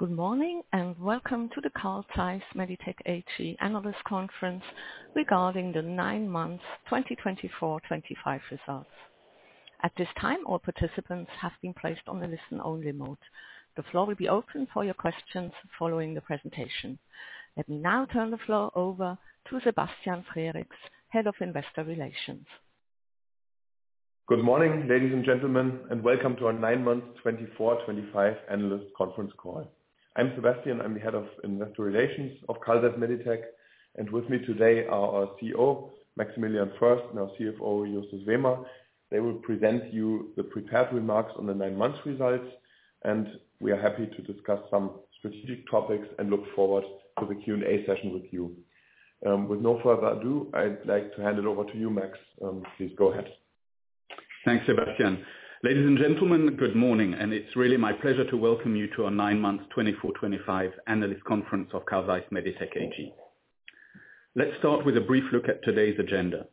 Good morning and welcome to the Carl Meditec AG Analyst Conference regarding the nine months 2024-2025 results. At this time, all participants have been placed on the listen-only mode. The floor will be open for your questions following the presentation. Let me now turn the floor over to Sebastian Frericks, Head of Investor Relations. Good morning, ladies and gentlemen, and welcome to our Nine-Month 2024-2025 Analyst Conference Call. I'm Sebastian, I'm the Head of Investor Relations of Carl Zeiss Meditec, and with me today are our CEO, Maximilian Foerst, and our CFO, Justus Wehmer. They will present you the prepared remarks on the nine-month results, and we are happy to discuss some strategic topics and look forward to the Q&A session with you. With no further ado, I'd like to hand it over to you, Max. Please go ahead. Thanks, Sebastian. Ladies and gentlemen, good morning, and it's really my pleasure to welcome you to our Nine-Month 2024-2025 Analyst Conference of Carl Zeiss Meditec AG. Let's start with a brief look at today's agenda.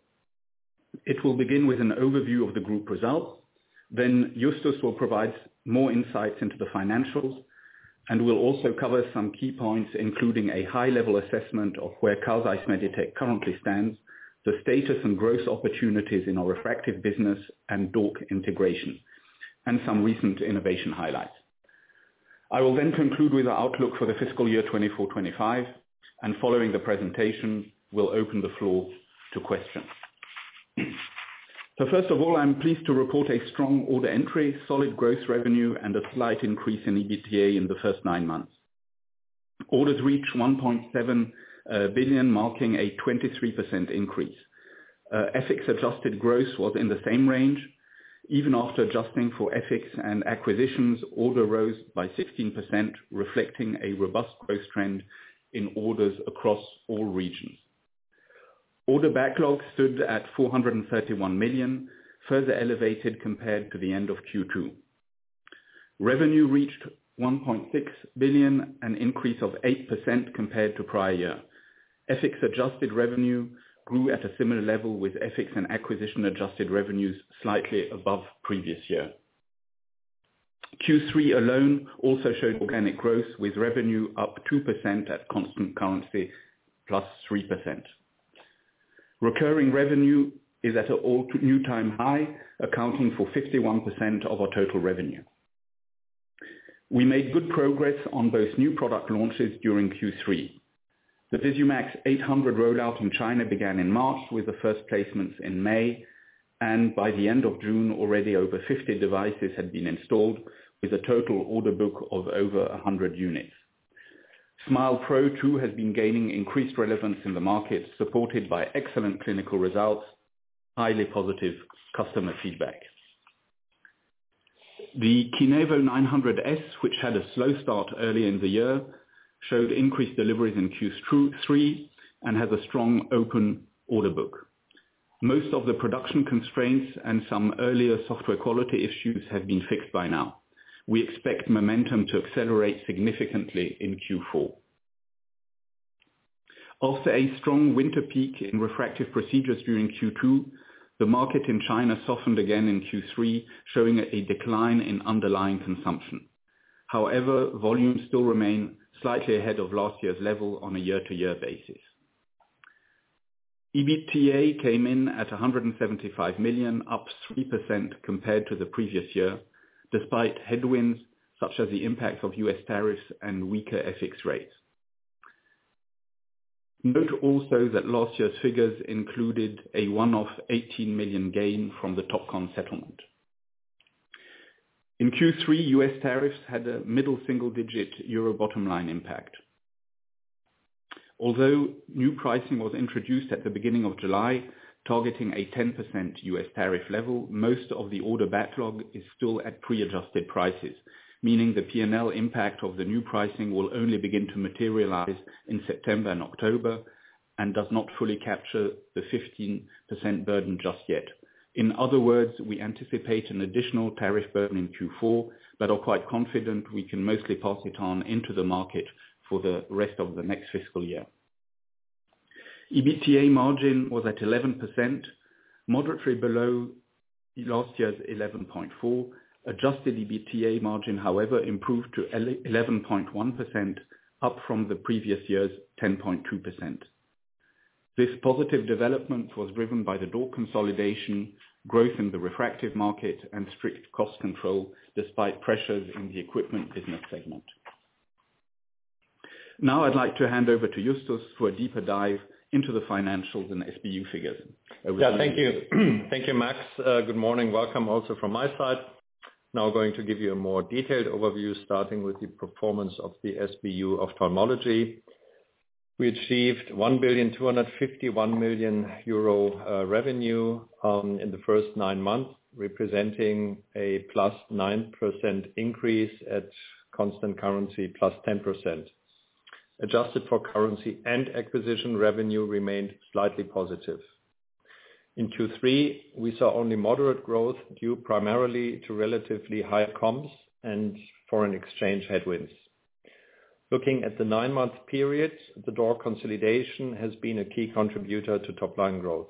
It will begin with an overview of the group results. Then, Justus will provide more insights into the financials, and we'll also cover some key points, including a high-level assessment of where Carl Zeiss Meditec currently stands, the status and growth opportunities in our attractive business, and D.O.R.C. integration, and some recent innovation highlights. I will then conclude with our outlook for the fiscal year 2024-2025, and following the presentation, we'll open the floor to questions. First of all, I'm pleased to report a strong order entry, solid gross revenue, and a slight increase in EBITDA in the first nine months. Orders reached 1.7 billion, marking a 23% increase. FX-adjusted gross was in the same range. Even after adjusting for FX and acquisitions, orders rose by 16%, reflecting a robust growth trend in orders across all regions. Order backlog stood at 431 million, further elevated compared to the end of Q2. Revenue reached 1.6 billion, an increase of 8% compared to prior year. FX-adjusted revenue grew at a similar level, with FX and acquisition adjusted revenues slightly above previous year. Q3 alone also showed organic growth, with revenue up 2% at constant currency, plus 3%. Recurring revenue is at an all-time high, accounting for 51% of our total revenue. We made good progress on both new product launches during Q3. The VISUMAX 800 rollout in China began in March, with the first placements in May, and by the end of June, already over 50 devices had been installed, with a total order book of over 100 units. SMILE Pro 2 has been gaining increased relevance in the market, supported by excellent clinical results and highly positive customer feedback. The KINEVO 900 S, which had a slow start early in the year, showed increased deliveries in Q3 and has a strong open order book. Most of the production constraints and some earlier software quality issues have been fixed by now. We expect momentum to accelerate significantly in Q4. After a strong winter peak in refractive procedures during Q2, the market in China softened again in Q3, showing a decline in underlying consumption. However, volumes still remain slightly ahead of last year's level on a year-to-year basis. EBITDA came in at 175 million, up 3% compared to the previous year, despite headwinds such as the impacts of U.S. tariffs and weaker FX rates. Note also that last year's figures included a one-off 18 million gain from the Topcon settlement. In Q3, U.S. tariffs had a mid-single-digit euro bottom line impact. Although new pricing was introduced at the beginning of July, targeting a 10% U.S. tariff level, most of the order backlog is still at pre-adjusted prices, meaning the P&L impact of the new pricing will only begin to materialize in September and October and does not fully capture the 15% burden just yet. In other words, we anticipate an additional tariff burden in Q4, but are quite confident we can mostly pass it on into the market for the rest of the next fiscal year. EBITDA margin was at 11%, moderately below last year's 11.4%. Adjusted EBITDA margin, however, improved to 11.1%, up from the previous year's 10.2%. This positive development was driven by the D.O.R.C. consolidation, growth in the refractive segment, and strict cost control, despite pressures in the equipment business segment. Now I'd like to hand over to Justus for a deeper dive into the financials and SBU figures. Yeah, thank you. Thank you, Max. Good morning. Welcome also from my side. Now I'm going to give you a more detailed overview, starting with the performance of the SBU of Ophthalmology. We achieved 1,251,000,000 euro revenue in the first nine months, representing a +9% increase at constant currency, +10%. Adjusted for currency and acquisition, revenue remained slightly positive. In Q3, we saw only moderate growth due primarily to relatively higher comps and foreign exchange headwinds. Looking at the nine-month period, the D.O.R.C. consolidation has been a key contributor to top-line growth.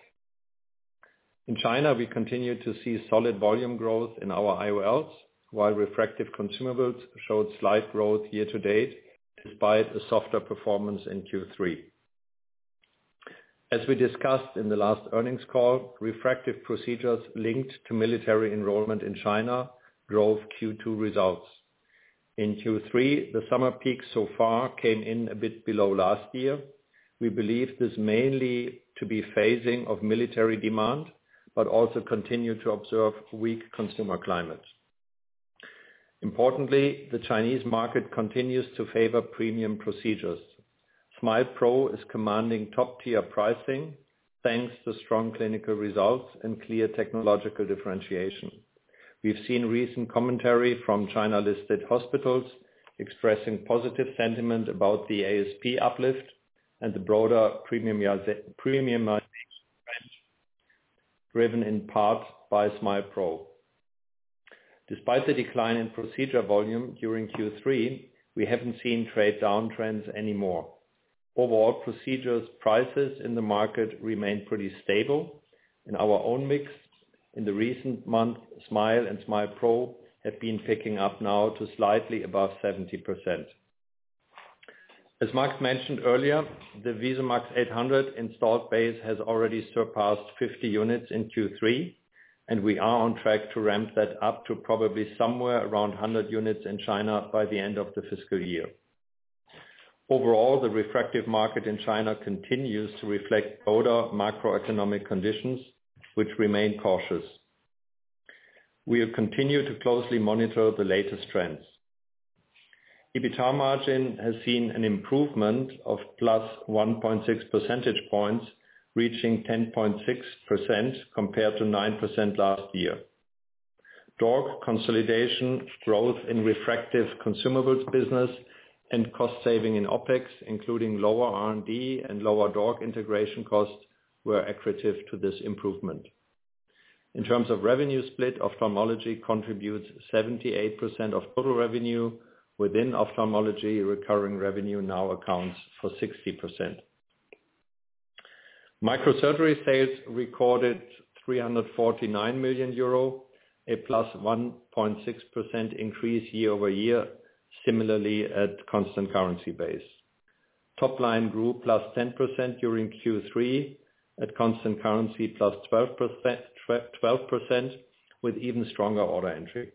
In China, we continued to see solid volume growth in our IOLs, while refractive consumables showed slight growth year to date, despite a softer performance in Q3. As we discussed in the last earnings call, refractive procedures linked to military enrollment in China drove Q2 results. In Q3, the summer peak so far came in a bit below last year. We believe this is mainly to be phasing of military demand, but also continue to observe a weak consumer climate. Importantly, the Chinese market continues to favor premium procedures. SMILE Pro is commanding top-tier pricing, thanks to strong clinical results and clear technological differentiation. We've seen recent commentary from China-listed hospitals expressing positive sentiment about the ASP uplift and the broader premium market trend, driven in part by SMILE Pro. Despite the decline in procedure volume during Q3, we haven't seen trade downtrends anymore. Overall, procedures prices in the market remain pretty stable. In our own mix, in the recent months, SMILE and SMILE Pro have been picking up now to slightly above 70%. As Max mentioned earlier, the VISUMAX 800 installed base has already surpassed 50 units in Q3, and we are on track to ramp that up to probably somewhere around 100 units in China by the end of the fiscal year. Overall, the refractive market in China continues to reflect broader macroeconomic conditions, which remain cautious. We'll continue to closely monitor the latest trends. EBITDA margin has seen an improvement of +1.6 percentage points, reaching 10.6% compared to 9% last year. D.O.R.C. consolidation, growth in refractive consumables business, and cost saving in OpEx, including lower R&D and lower D.O.R.C. integration costs, were accretive to this improvement. In terms of revenue split, Ophthalmology contributes 78% of total revenue. Within Ophthalmology, recurring revenue now accounts for 60%. Microsurgery sales recorded 349 million euro, a +1.6% increase year-over-year, similarly at constant currency base. Top line grew +10% during Q3, at constant currency +12%, with even stronger order entry.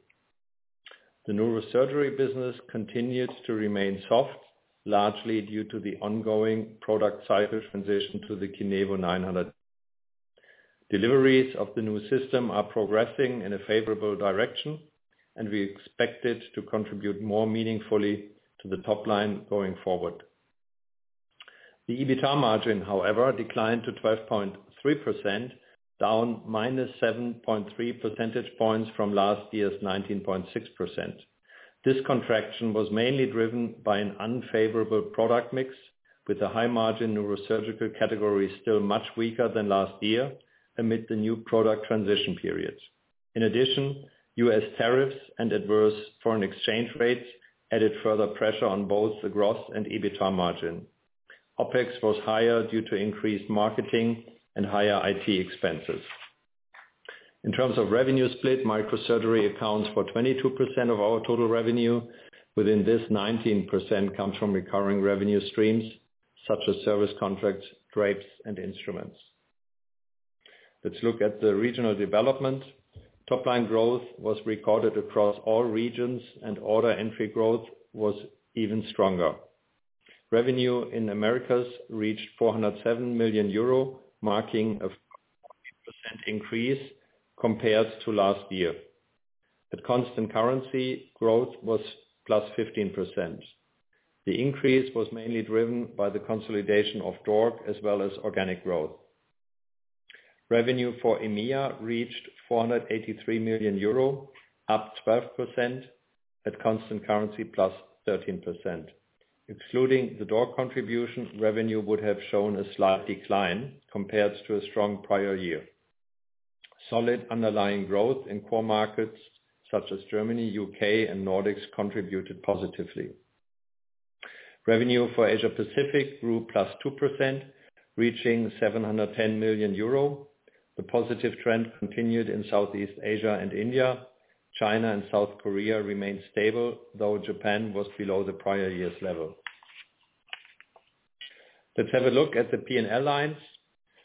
The Neurosurgery business continues to remain soft, largely due to the ongoing product cycle transition to the KINEVO 900 S. Deliveries of the new system are progressing in a favorable direction, and we expect it to contribute more meaningfully to the top line going forward. The EBITDA margin, however, declined to 12.3%, down -7.3 percentage points from last year's 19.6%. This contraction was mainly driven by an unfavorable product mix, with the high margin neurosurgical category still much weaker than last year amid the new product transition period. In addition, U.S. tariffs and adverse foreign exchange rates added further pressure on both the gross and EBITDA margin. OpEx was higher due to increased marketing and higher IT expenses. In terms of revenue split, Microsurgery accounts for 22% of our total revenue. Within this, 19% comes from recurring revenue streams such as service contracts, drapes, and instruments. Let's look at the regional development. Top line growth was recorded across all regions, and order entry growth was even stronger. Revenue in the Americas reached 407 million euro, marking a 15% increase compared to last year. At constant currency, growth was +15%. The increase was mainly driven by the consolidation of D.O.R.C. as well as organic growth. Revenue for EMEA reached 483 million euro, up 12% at constant currency, +13%. Excluding the D.O.R.C. contribution, revenue would have shown a slight decline compared to a strong prior year. Solid underlying growth in core markets such as Germany, UK, and Nordics contributed positively. Revenue for Asia-Pacific grew +2%, reaching 710 million euro. The positive trend continued in Southeast Asia and India. China and South Korea remained stable, though Japan was below the prior year's level. Let's have a look at the P&L lines.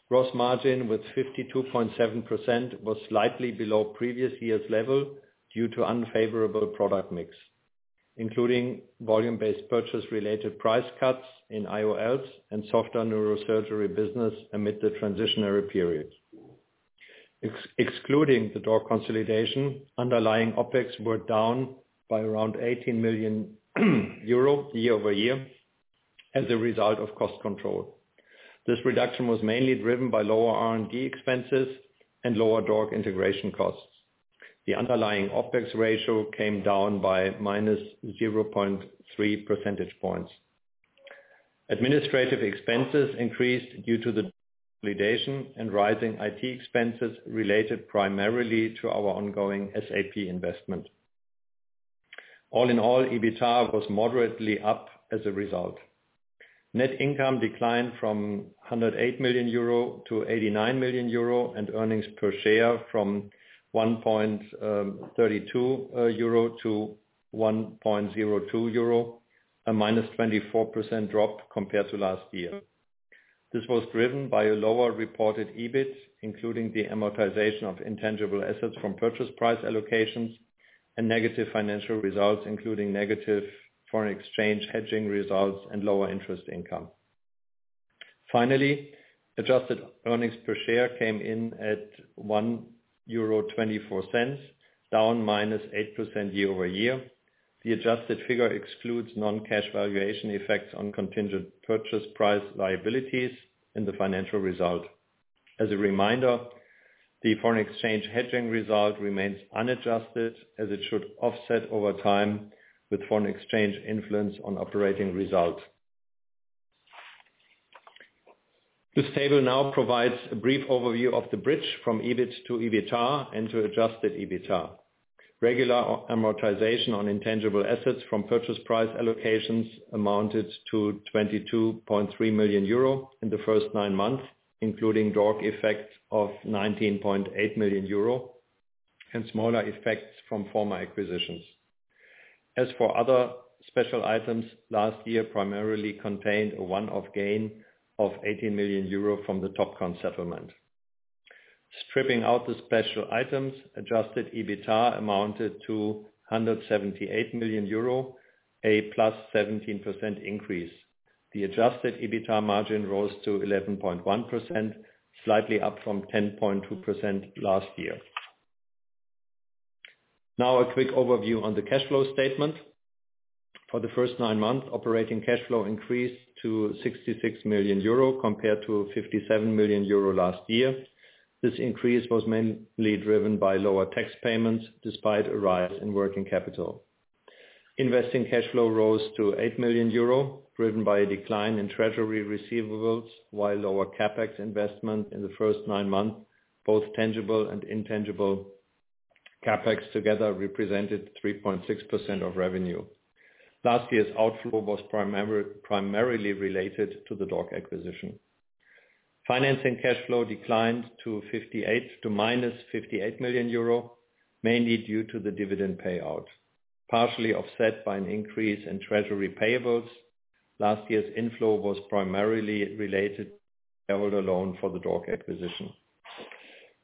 Gross margin with 52.7% was slightly below previous year's level due to unfavorable product mix, including volume-based purchase-related price cuts in IOLs and softer neurosurgery business amid the transitionary period. Excluding the D.O.R.C. consolidation, underlying OpEx were down by around 18 million euro year-over-year as a result of cost control. This reduction was mainly driven by lower R&D expenses and lower D.O.R.C. integration costs. The underlying OPEX ratio came down by -0.3 percentage points. Administrative expenses increased due to the consolidation and rising IT expenses related primarily to our ongoing SAP investment. All in all, EBITDA was moderately up as a result. Net income declined from 108 million euro to 89 million euro, and earnings per share from 1.32 euro to 1.02 euro, a -24% drop compared to last year. This was driven by a lower reported EBIT, including the amortization of intangible assets from purchase price allocations and negative financial results, including negative foreign exchange hedging results and lower interest income. Finally, adjusted earnings per share came in at 1.24 euro, down -8% year-over-year. The adjusted figure excludes non-cash valuation effects on contingent purchase price liabilities in the financial result. As a reminder, the foreign exchange hedging result remains unadjusted as it should offset over time with foreign exchange influence on operating results. This table now provides a brief overview of the bridge from EBIT to EBITDA and to adjusted EBITDA. Regular amortization on intangible assets from purchase price allocations amounted to 22.3 million euro in the first nine months, including D.O.R.C. effects of 19.8 million euro and smaller effects from former acquisitions. As for other special items, last year primarily contained a one-off gain of 18 million euro from the Topcon settlement. Stripping out the special items, adjusted EBITDA amounted to 178 million euro, a +17% increase. The adjusted EBITDA margin rose to 11.1%, slightly up from 10.2% last year. Now a quick overview on the cash flow statement. For the first nine months, operating cash flow increased to 66 million euro compared to 57 million euro last year. This increase was mainly driven by lower tax payments, despite a rise in working capital. Investing cash flow rose to 8 million euro, driven by a decline in treasury receivables, while lower CapEx investment in the first nine months, both tangible and intangible CapEx together represented 3.6% of revenue. Last year's outflow was primarily related to the D.O.R.C. acquisition. Financing cash flow declined to -58 million euro, mainly due to the dividend payout. Partially offset by an increase in treasury payables, last year's inflow was primarily related to the shareholder loan for the D.O.R.C. acquisition.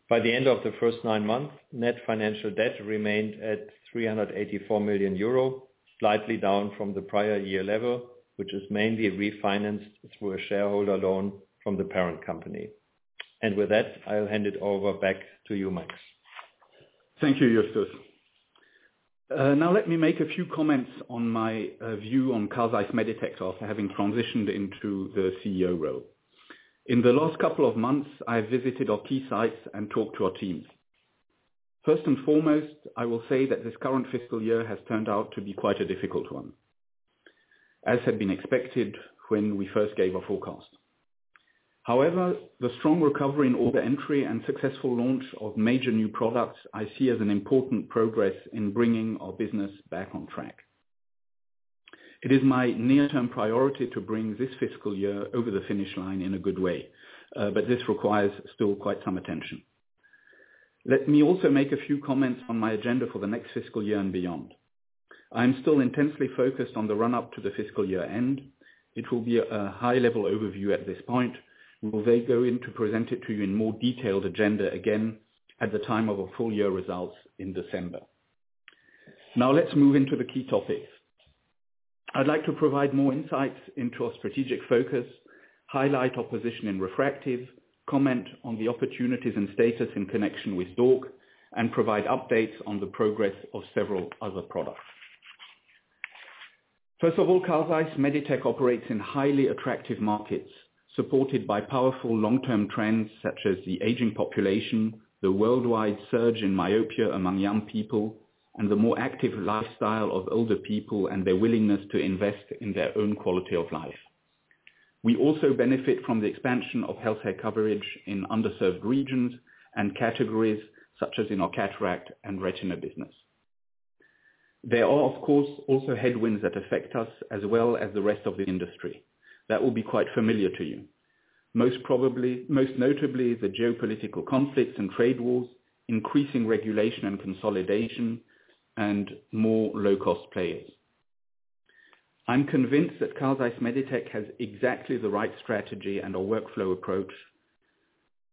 By the end of the first nine months, net financial debt remained at 384 million euro, slightly down from the prior year level, which is mainly refinanced through a shareholder loan from the parent company. With that, I'll hand it over back to you, Max. Thank you, Justus. Now let me make a few comments on my view on Carl Zeiss Meditec AG after having transitioned into the CEO role. In the last couple of months, I visited our key sites and talked to our teams. First and foremost, I will say that this current fiscal year has turned out to be quite a difficult one, as had been expected when we first gave our forecast. However, the strong recovery in order entry and successful launch of major new products I see as important progress in bringing our business back on track. It is my near-term priority to bring this fiscal year over the finish line in a good way, but this requires still quite some attention. Let me also make a few comments on my agenda for the next fiscal year and beyond. I am still intensely focused on the run-up to the fiscal year end. It will be a high-level overview at this point. We will then go in to present it to you in a more detailed agenda again at the time of our full-year results in December. Now let's move into the key topics. I'd like to provide more insights into our strategic focus, highlight our position in refractive, comment on the opportunities and status in connection with D.O.R.C., and provide updates on the progress of several other products. First of all, Carl Zeiss Meditec operates in highly attractive markets, supported by powerful long-term trends such as the aging population, the worldwide surge in myopia among young people, and the more active lifestyle of older people and their willingness to invest in their own quality of life. We also benefit from the expansion of healthcare coverage in underserved regions and categories, such as in our cataract and retina business. There are, of course, also headwinds that affect us as well as the rest of the industry. That will be quite familiar to you. Most notably, the geopolitical conflicts and trade wars, increasing regulation and consolidation, and more low-cost players. I'm convinced that Carl Zeiss Meditec has exactly the right strategy, and our workflow approach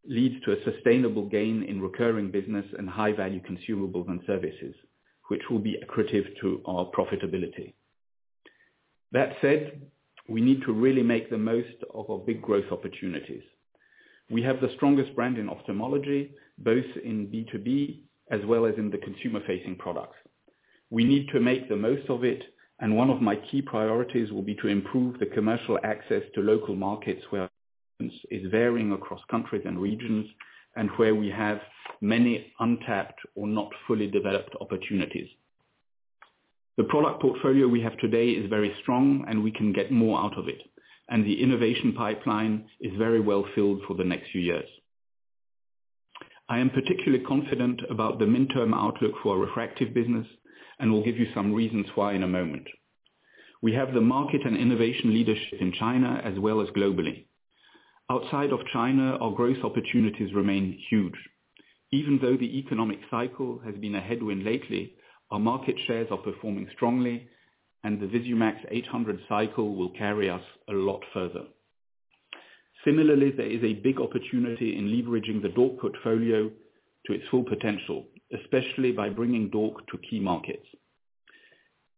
leads to a sustainable gain in recurring business and high-value consumables and services, which will be accretive to our profitability. That said, we need to really make the most of our big growth opportunities. We have the strongest brand in ophthalmology, both in B2B as well as in the consumer-facing products. We need to make the most of it, and one of my key priorities will be to improve the commercial access to local markets where our presence is varying across countries and regions and where we have many untapped or not fully developed opportunities. The product portfolio we have today is very strong, and we can get more out of it, and the innovation pipeline is very well-filled for the next few years. I am particularly confident about the midterm outlook for our refractive business, and I'll give you some reasons why in a moment. We have the market and innovation leadership in China as well as globally. Outside of China, our growth opportunities remain huge. Even though the economic cycle has been a headwind lately, our market shares are performing strongly, and the VISUMAX 800 cycle will carry us a lot further. Similarly, there is a big opportunity in leveraging the D.O.R.C. portfolio to its full potential, especially by bringing D.O.R.C. to key markets.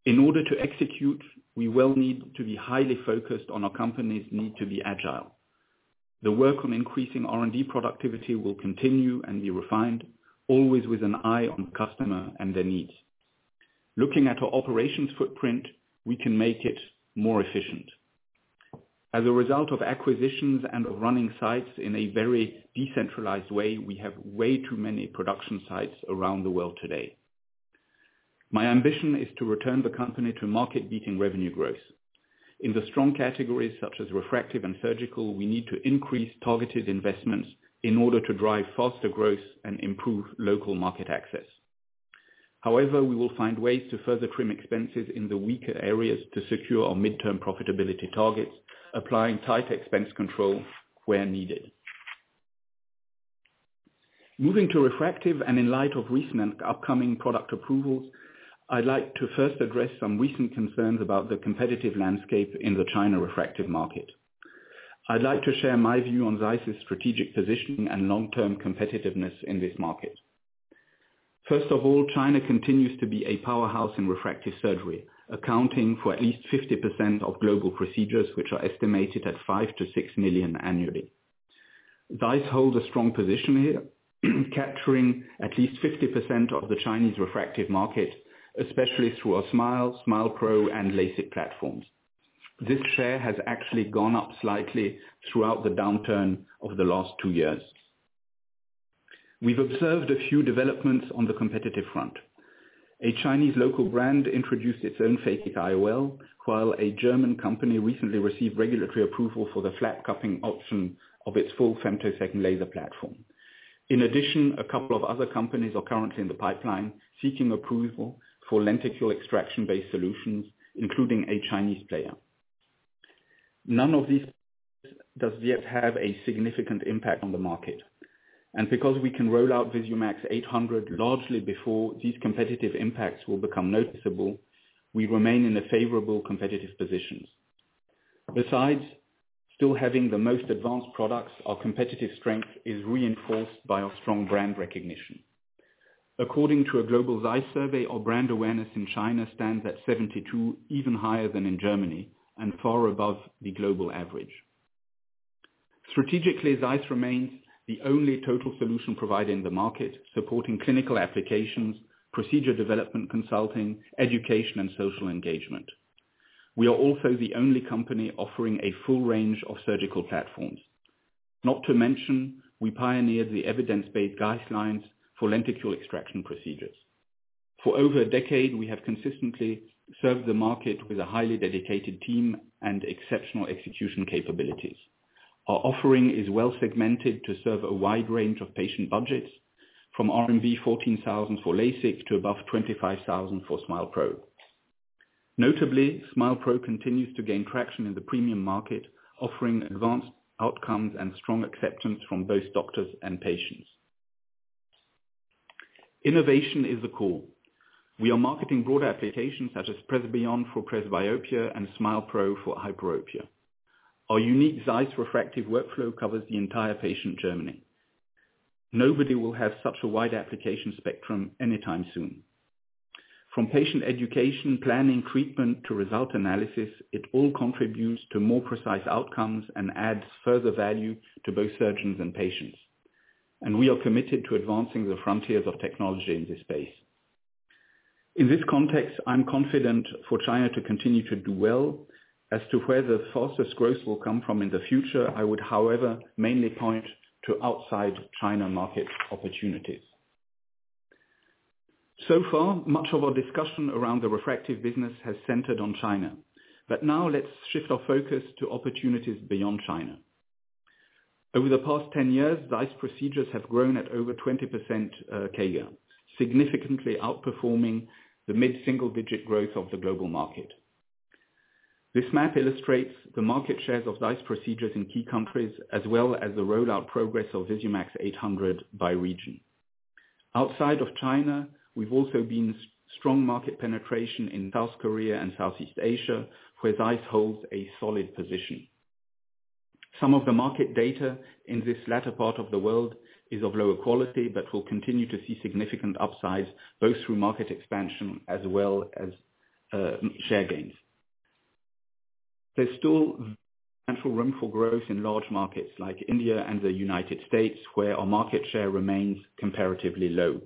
In order to execute, we will need to be highly focused on our company's need to be agile. The work on increasing R&D productivity will continue and be refined, always with an eye on the customer and their needs. Looking at our operations footprint, we can make it more efficient. As a result of acquisitions and of running sites in a very decentralized way, we have way too many production sites around the world today. My ambition is to return the company to market-beating revenue growth. In the strong categories such as refractive and surgical, we need to increase targeted investments in order to drive faster growth and improve local market access. However, we will find ways to further trim expenses in the weaker areas to secure our midterm profitability targets, applying tight expense control where needed. Moving to refractive and in light of recent and upcoming product approvals, I'd like to first address some recent concerns about the competitive landscape in the China refractive market. I'd like to share my view on ZEISS's strategic position and long-term competitiveness in this market. First of all, China continues to be a powerhouse in refractive surgery, accounting for at least 50% of global procedures, which are estimated at 5-6 million annually. Zeiss holds a strong position here, capturing at least 50% of the Chinese refractive market, especially through our SMILE, SMILE Pro, and LASIK platforms. This share has actually gone up slightly throughout the downturn of the last two years. We've observed a few developments on the competitive front. A Chinese local brand introduced its own phakic IOL, while a German company recently received regulatory approval for the flap cupping option of its full femtosecond laser platform. In addition, a couple of other companies are currently in the pipeline seeking approval for lenticular extraction-based solutions, including a Chinese player. None of these does yet have a significant impact on the market, and because we can roll out VISUMAX 800 largely before these competitive impacts will become noticeable, we remain in a favorable competitive position. Besides still having the most advanced products, our competitive strength is reinforced by our strong brand recognition. According to a global ZEISS survey, our brand awareness in China stands at 72%, even higher than in Germany and far above the global average. Strategically, ZEISS remains the only total solution provider in the market, supporting clinical applications, procedure development consulting, education, and social engagement. We are also the only company offering a full range of surgical platforms. Not to mention, we pioneered the evidence-based guidelines for lenticular extraction procedures. For over a decade, we have consistently served the market with a highly dedicated team and exceptional execution capabilities. Our offering is well-segmented to serve a wide range of patient budgets, from 14,000 for LASIK to above 25,000 for SMILE Pro. Notably, SMILE Pro continues to gain traction in the premium market, offering advanced outcomes and strong acceptance from both doctors and patients. Innovation is the core. We are marketing broader applications such as PRESBYOND for presbyopia and SMILE Pro for hyperopia. Our unique ZEISS refractive workflow covers the entire patient journey. Nobody will have such a wide application spectrum anytime soon. From patient education, planning, treatment, to result analysis, it all contributes to more precise outcomes and adds further value to both surgeons and patients. We are committed to advancing the frontiers of technology in this space. In this context, I'm confident for China to continue to do well. As to where the fastest growth will come from in the future, I would, however, mainly point to outside China market opportunities. So far, much of our discussion around the refractive business has centered on China, but now let's shift our focus to opportunities beyond China. Over the past 10 years, ZEISS procedures have grown at over 20% CAGR, significantly outperforming the mid-single-digit growth of the global market. This map illustrates the market shares of ZEISS procedures in key countries, as well as the rollout progress of VISUMAX 800 by region. Outside of China, we've also seen strong market penetration in South Korea and Southeast Asia, where Zeiss holds a solid position. Some of the market data in this latter part of the world is of lower quality, but we'll continue to see significant upsides, both through market expansion as well as share gains. There's still room for growth in large markets like India and the United States, where our market share remains comparatively low.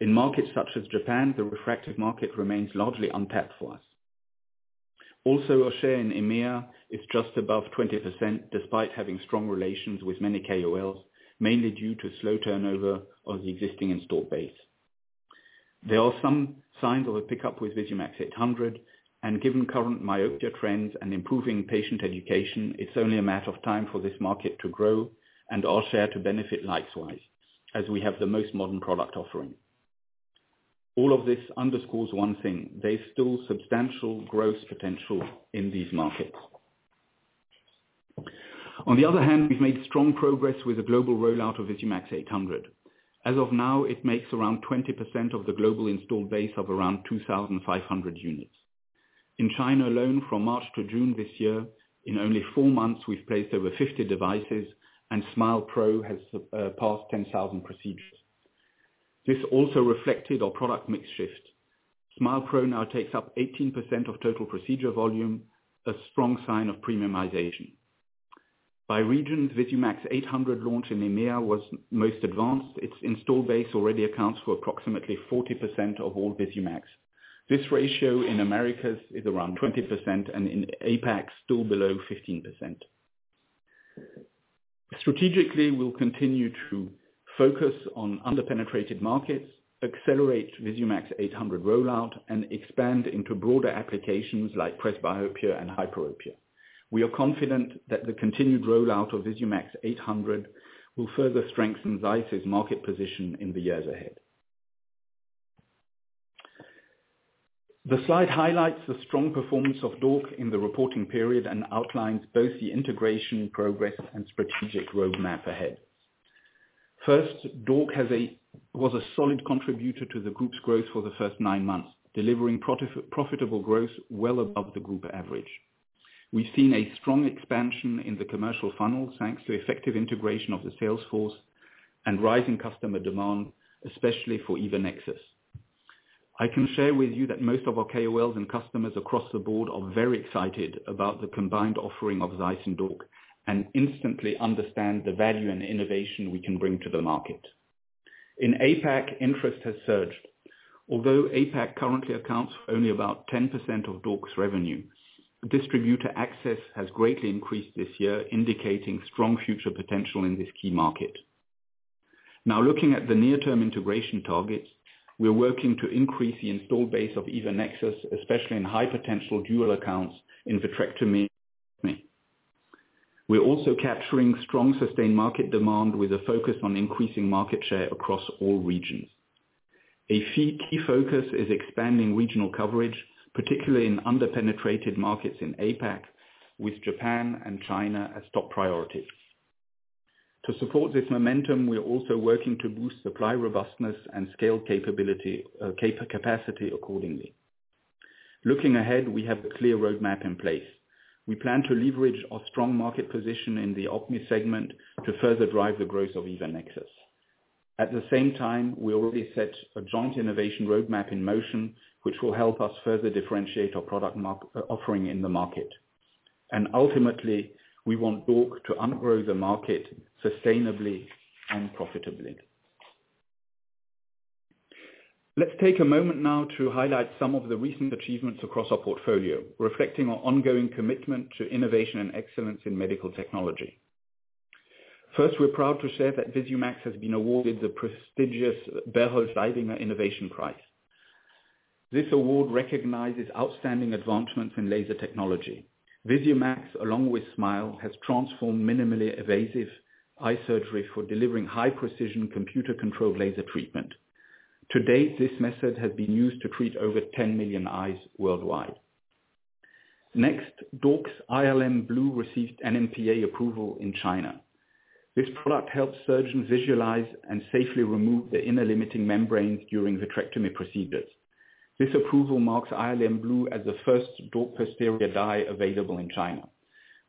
In markets such as Japan, the refractive market remains largely untapped for us. Also, our share in EMEA is just above 20%, despite having strong relations with many KOLs, mainly due to slow turnover of the existing installed base. There are some signs of a pickup with VISUMAX 800, and given current myopia trends and improving patient education, it's only a matter of time for this market to grow and our share to benefit likewise, as we have the most modern product offering. All of this underscores one thing: there's still substantial growth potential in these markets. On the other hand, we've made strong progress with the global rollout of VISUMAX 800. As of now, it makes around 20% of the global installed base of around 2,500 units. In China alone, from March to June this year, in only four months, we've placed over 50 devices, and SMILE Pro has passed 10,000 procedures. This also reflected our product mix shift. SMILE Pro now takes up 18% of total procedure volume, a strong sign of premiumization. By regions, VISUMAX 800 launch in EMEA was most advanced. Its installed base already accounts for approximately 40% of all VISUMAX. This ratio in Americas is around 20%, and in APAC, still below 15%. Strategically, we'll continue to focus on underpenetrated markets, accelerate VISUMAX 800 rollout, and expand into broader applications like presbyopia and hyperopia. We are confident that the continued rollout of VISUMAX 800 will further strengthen ZEISS's market position in the years ahead. The slide highlights the strong performance of D.O.R.C. in the reporting period and outlines both the integration progress and strategic roadmap ahead. First, D.O.R.C. was a solid contributor to the group's growth for the first nine months, delivering profitable growth well above the group average. We've seen a strong expansion in the commercial funnel, thanks to effective integration of the sales force and rising customer demand, especially for EVA NEXUS. I can share with you that most of our KOLs and customers across the board are very excited about the combined offering of ZEISS and D.O.R.C. and instantly understand the value and innovation we can bring to the market. In APAC, interest has surged. Although APAC currently accounts for only about 10% of D.O.R.C.'s revenue, distributor access has greatly increased this year, indicating strong future potential in this key market. Now, looking at the near-term integration targets, we're working to increase the installed base of EVA NEXUS, especially in high-potential dual accounts in vitrectomy. We're also capturing strong sustained market demand with a focus on increasing market share across all regions. A key focus is expanding regional coverage, particularly in underpenetrated markets in APAC, with Japan and China as top priorities. To support this momentum, we're also working to boost supply robustness and scale capacity accordingly. Looking ahead, we have a clear roadmap in place. We plan to leverage our strong market position in the OPMI segment to further drive the growth of EVA NEXUS. At the same time, we already set a joint innovation roadmap in motion, which will help us further differentiate our product offering in the market. Ultimately, we want D.O.R.C. to upgrow the market sustainably and profitably. Let's take a moment now to highlight some of the recent achievements across our portfolio, reflecting our ongoing commitment to innovation and excellence in medical technology. First, we're proud to share that VISUMAX has been awarded the prestigious Berhold Leibinger Innovationspreis. This award recognizes outstanding advancements in laser technology. VISUMAX, along with SMILE, has transformed minimally invasive eye surgery for delivering high-precision computer-controlled laser treatment. To date, this method has been used to treat over 10 million eyes worldwide. Next, D.O.R.C.'s ILM-Blue received NMPA approval in China. This product helps surgeons visualize and safely remove the inner limiting membranes during vitrectomy procedures. This approval marks ILM-Blue as the first D.O.R.C. posterior dye available in China,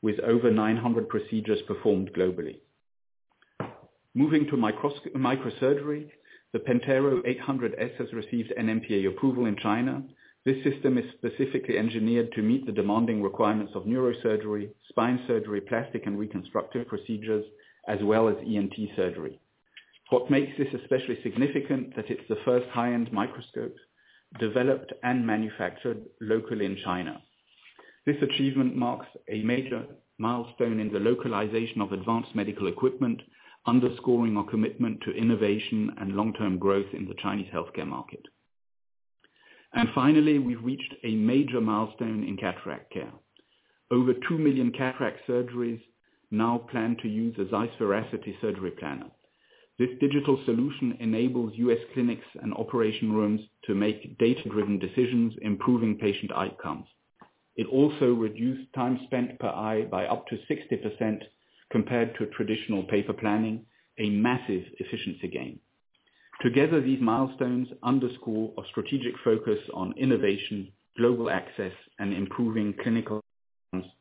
with over 900 procedures performed globally. Moving to Microsurgery, the PENTERO 800 S has received NMPA approval in China. This system is specifically engineered to meet the demanding requirements of neurosurgery, spine surgery, plastic and reconstructive procedures, as well as ENT surgery. What makes this especially significant is that it's the first high-end microscope developed and manufactured locally in China. This achievement marks a major milestone in the localization of advanced medical equipment, underscoring our commitment to innovation and long-term growth in the Chinese healthcare market. Finally, we've reached a major milestone in cataract care. Over 2 million cataract surgeries now plan to use the ZEISS VERACITY Surgery Planner. This digital solution enables U.S. clinics and operation rooms to make data-driven decisions, improving patient outcomes. It also reduced time spent per eye by up to 60% compared to traditional paper planning, a massive efficiency gain. Together, these milestones underscore our strategic focus on innovation, global access, and improving clinical outcomes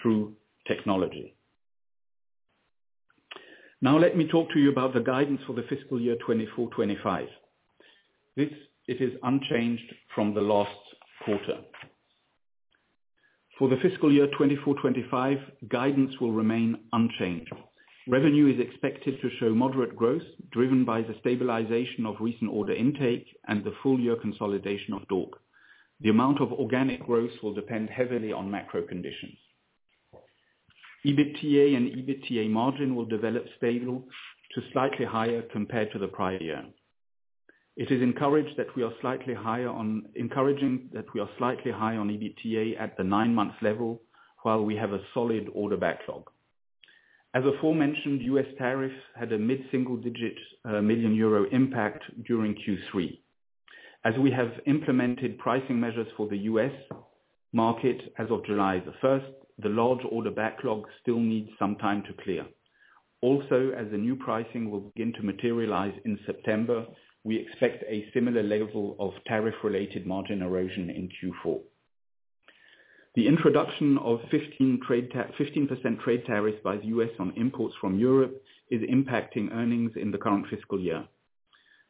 through technology. Now let me talk to you about the guidance for the fiscal year 2024-2025. This is unchanged from the last quarter. For the fiscal year 2024-2025, guidance will remain unchanged. Revenue is expected to show moderate growth, driven by the stabilization of recent order intake and the full-year consolidation of D.O.R.C.. The amount of organic growth will depend heavily on macro conditions. EBITDA and EBITDA margin will develop stable to slightly higher compared to the prior year. It is encouraging that we are slightly higher on EBITDA at the nine-month level, while we have a solid order backlog. As aforementioned, U.S. tariffs had a mid-single-digit million euro impact during Q3. As we have implemented pricing measures for the U.S. market as of July 1, the large order backlog still needs some time to clear. Also, as the new pricing will begin to materialize in September, we expect a similar level of tariff-related margin erosion in Q4. The introduction of 15% trade tariffs by the U.S. on imports from Europe is impacting earnings in the current fiscal year.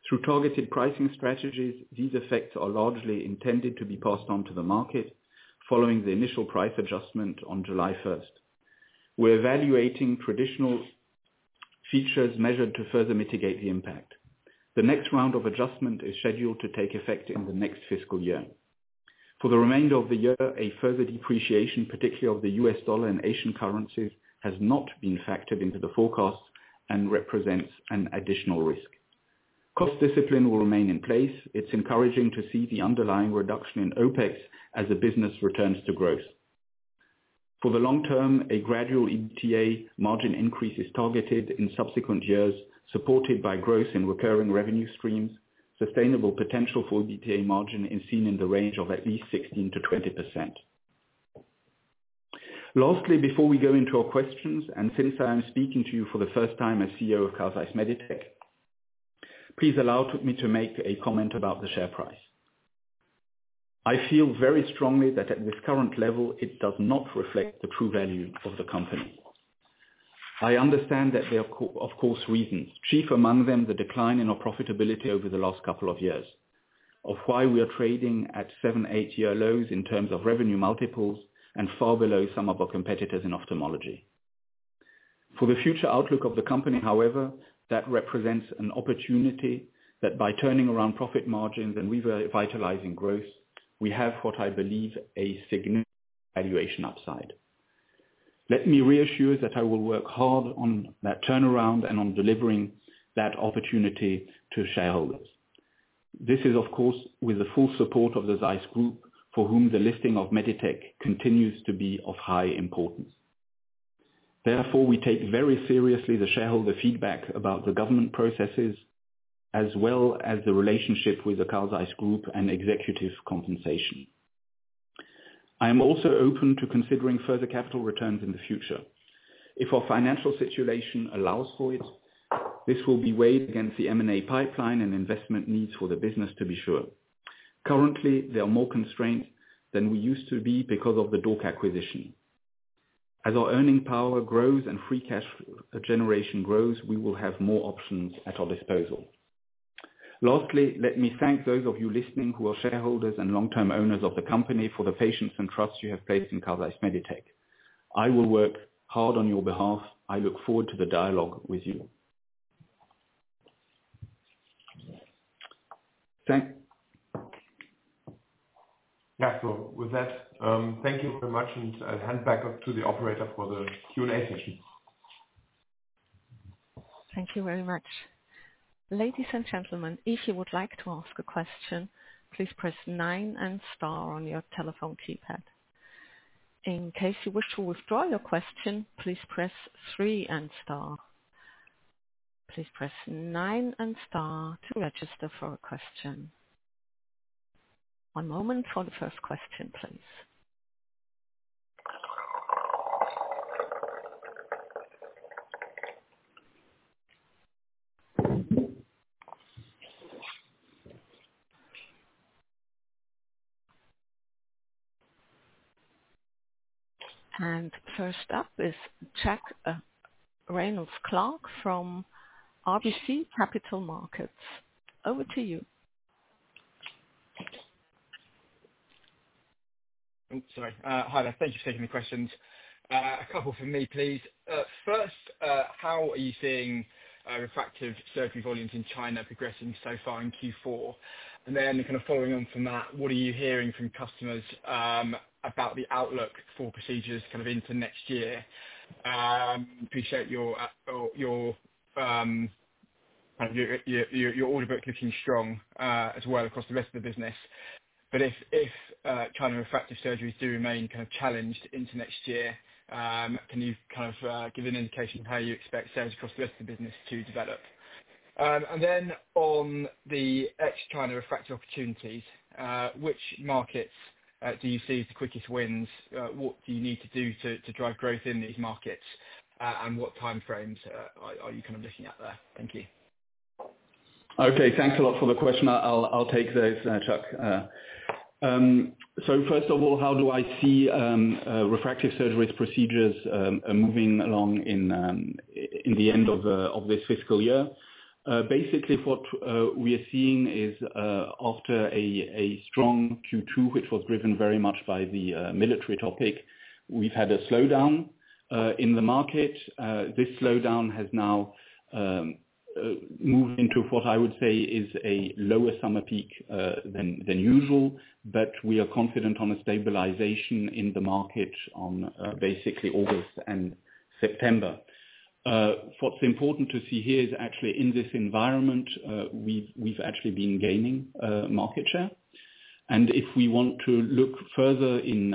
Through targeted pricing strategies, these effects are largely intended to be passed on to the market following the initial price adjustment on July 1. We are evaluating traditional features measured to further mitigate the impact. The next round of adjustment is scheduled to take effect in the next fiscal year. For the remainder of the year, a further depreciation, particularly of the U.S. dollar and Asian currencies, has not been factored into the forecast and represents an additional risk. Cost discipline will remain in place. It's encouraging to see the underlying reduction in OpEx as the business returns to growth. For the long term, a gradual EBITDA margin increase is targeted in subsequent years, supported by growth in recurring revenue streams. Sustainable potential for EBITDA margin is seen in the range of at least 16%-20%. Lastly, before we go into our questions, and since I am speaking to you for the first time as CEO of Carl Zeiss Meditec, please allow me to make a comment about the share price. I feel very strongly that at this current level, it does not reflect the true value of the company. I understand that there are, of course, reasons, chief among them the decline in our profitability over the last couple of years, of why we are trading at seven to eight-year lows in terms of revenue multiples and far below some of our competitors in ophthalmology. For the future outlook of the company, however, that represents an opportunity that by turning around profit margins and revitalizing growth, we have what I believe is a significant valuation upside. Let me reassure that I will work hard on that turnaround and on delivering that opportunity to shareholders. This is, of course, with the full support of the ZEISS Group, for whom the listing of Meditec continues to be of high importance. Therefore, we take very seriously the shareholder feedback about the governance processes, as well as the relationship with the Carl ZEISS Group and executive compensation. I am also open to considering further capital returns in the future. If our financial situation allows for it, this will be weighed against the M&A pipeline and investment needs for the business to be sure. Currently, there are more constraints than we used to be because of the D.O.R.C. acquisition. As our earning power grows and free cash generation grows, we will have more options at our disposal. Lastly, let me thank those of you listening who are shareholders and long-term owners of the company for the patience and trust you have placed in Carl Zeiss Meditec. I will work hard on your behalf. I look forward to the dialogue with you. Thank you. Thank you very much, and I'll hand back up to the operator for the Q&A session. Thank you very much. Ladies and gentlemen, if you would like to ask a question, please press 9 and star on your telephone keypad. In case you wish to withdraw your question, please press 3 and star. Please press 9 and star to register for a question. One moment for the first question, please. First up is Jack Reynolds-Clark from RBC Capital Markets. Over to you. Hi, there. Thank you for taking the questions. A couple from me, please. First, how are you seeing refractive surgery volumes in China progressing so far in Q4? Then, kind of following on from that, what are you hearing from customers about the outlook for procedures into next year? I appreciate your order book looking strong as well across the rest of the business. If China refractive surgeries do remain challenged into next year, can you give an indication of how you expect sales across the rest of the business to develop? On the ex-China refractive opportunities, which markets do you see the quickest wins? What do you need to do to drive growth in these markets? What timeframes are you looking at there? Thank you. Okay, thanks a lot for the question. I'll take those, Jack. First of all, how do I see refractive surgery procedures moving along in the end of this fiscal year? Basically, what we are seeing is after a strong Q2, which was driven very much by the military topic, we've had a slowdown in the market. This slowdown has now moved into what I would say is a lower summer peak than usual. We are confident on a stabilization in the market in basically August and September. What's important to see here is actually in this environment, we've actually been gaining market share. If we want to look further in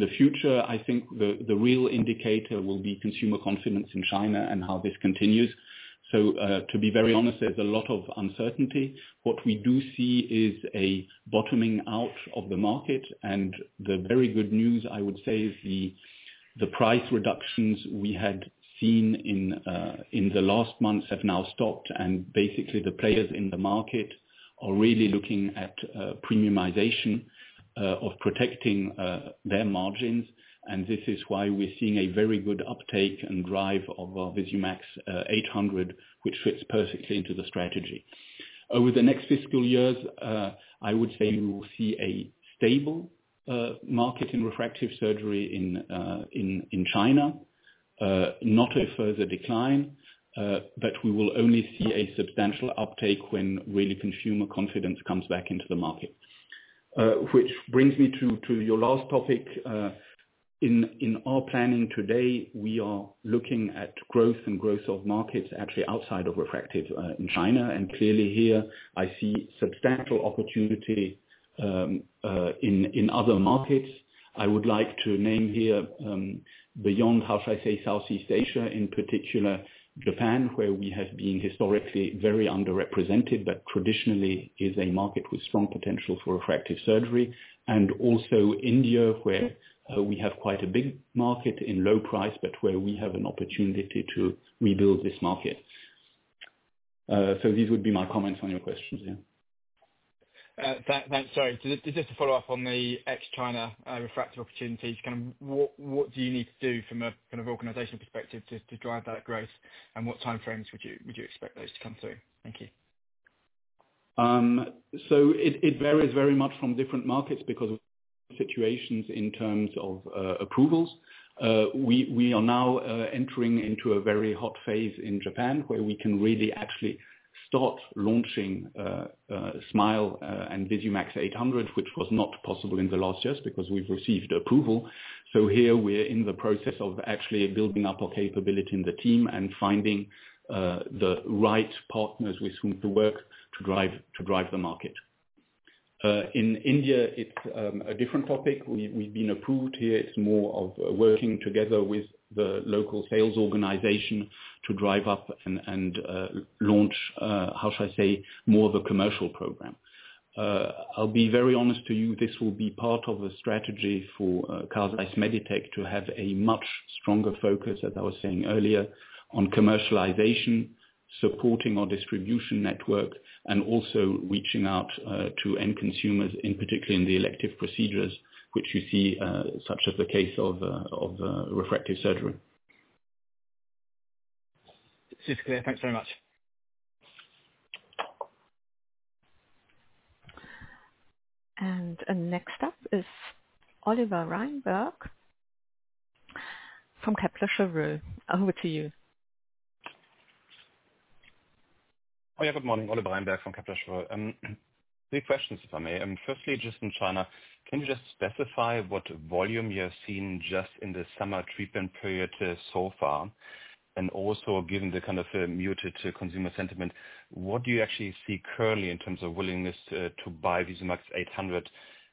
the future, I think the real indicator will be consumer confidence in China and how this continues. To be very honest, there's a lot of uncertainty. What we do see is a bottoming out of the market. The very good news, I would say, is the price reductions we had seen in the last months have now stopped. The players in the market are really looking at premiumization of protecting their margins. This is why we're seeing a very good uptake and drive of our VISUMAX 800, which fits perfectly into the strategy. Over the next fiscal years, I would say we will see a stable market in refractive surgery in China, not a further decline, but we will only see a substantial uptake when really consumer confidence comes back into the market. This brings me to your last topic. In our planning today, we are looking at growth and growth of markets actually outside of refractive in China. Clearly here, I see substantial opportunity in other markets. I would like to name here beyond, how should I say, Southeast Asia, in particular Japan, where we have been historically very underrepresented, but traditionally is a market with strong potential for refractive surgery. Also India, where we have quite a big market in low price, but where we have an opportunity to rebuild this market. These would be my comments on your questions. Sorry, just to follow up on the ex-China refractive opportunities, what do you need to do from an organizational perspective to drive that growth? What timeframes would you expect those to come through? Thank you. It varies very much from different markets because of situations in terms of approvals. We are now entering into a very hot phase in Japan where we can really actually start launching SMILE and VISUMAX 800, which was not possible in the last years because we've received approval. Here we are in the process of actually building up our capability in the team and finding the right partners with whom to work to drive the market. In India, it's a different topic. We've been approved here. It's more of working together with the local sales organization to drive up and launch, how should I say, more of a commercial program. I'll be very honest to you, this will be part of the strategy for Carl Zeiss Meditec to have a much stronger focus, as I was saying earlier, on commercialization, supporting our distribution network, and also reaching out to end consumers, in particular in the elective procedures, which you see, such as the case of refractive surgery. Super clear. Thanks very much. Next up is Oliver Reinberg from Kepler Cheuvreux. Over to you. Yeah, good morning. Oliver Reinberg from Kepler Cheuvreux. Three questions if I may. Firstly, just in China, can you just specify what volume you have seen just in the summer treatment period so far? Also, given the kind of muted consumer sentiment, what do you actually see currently in terms of willingness to buy VISUMAX 800,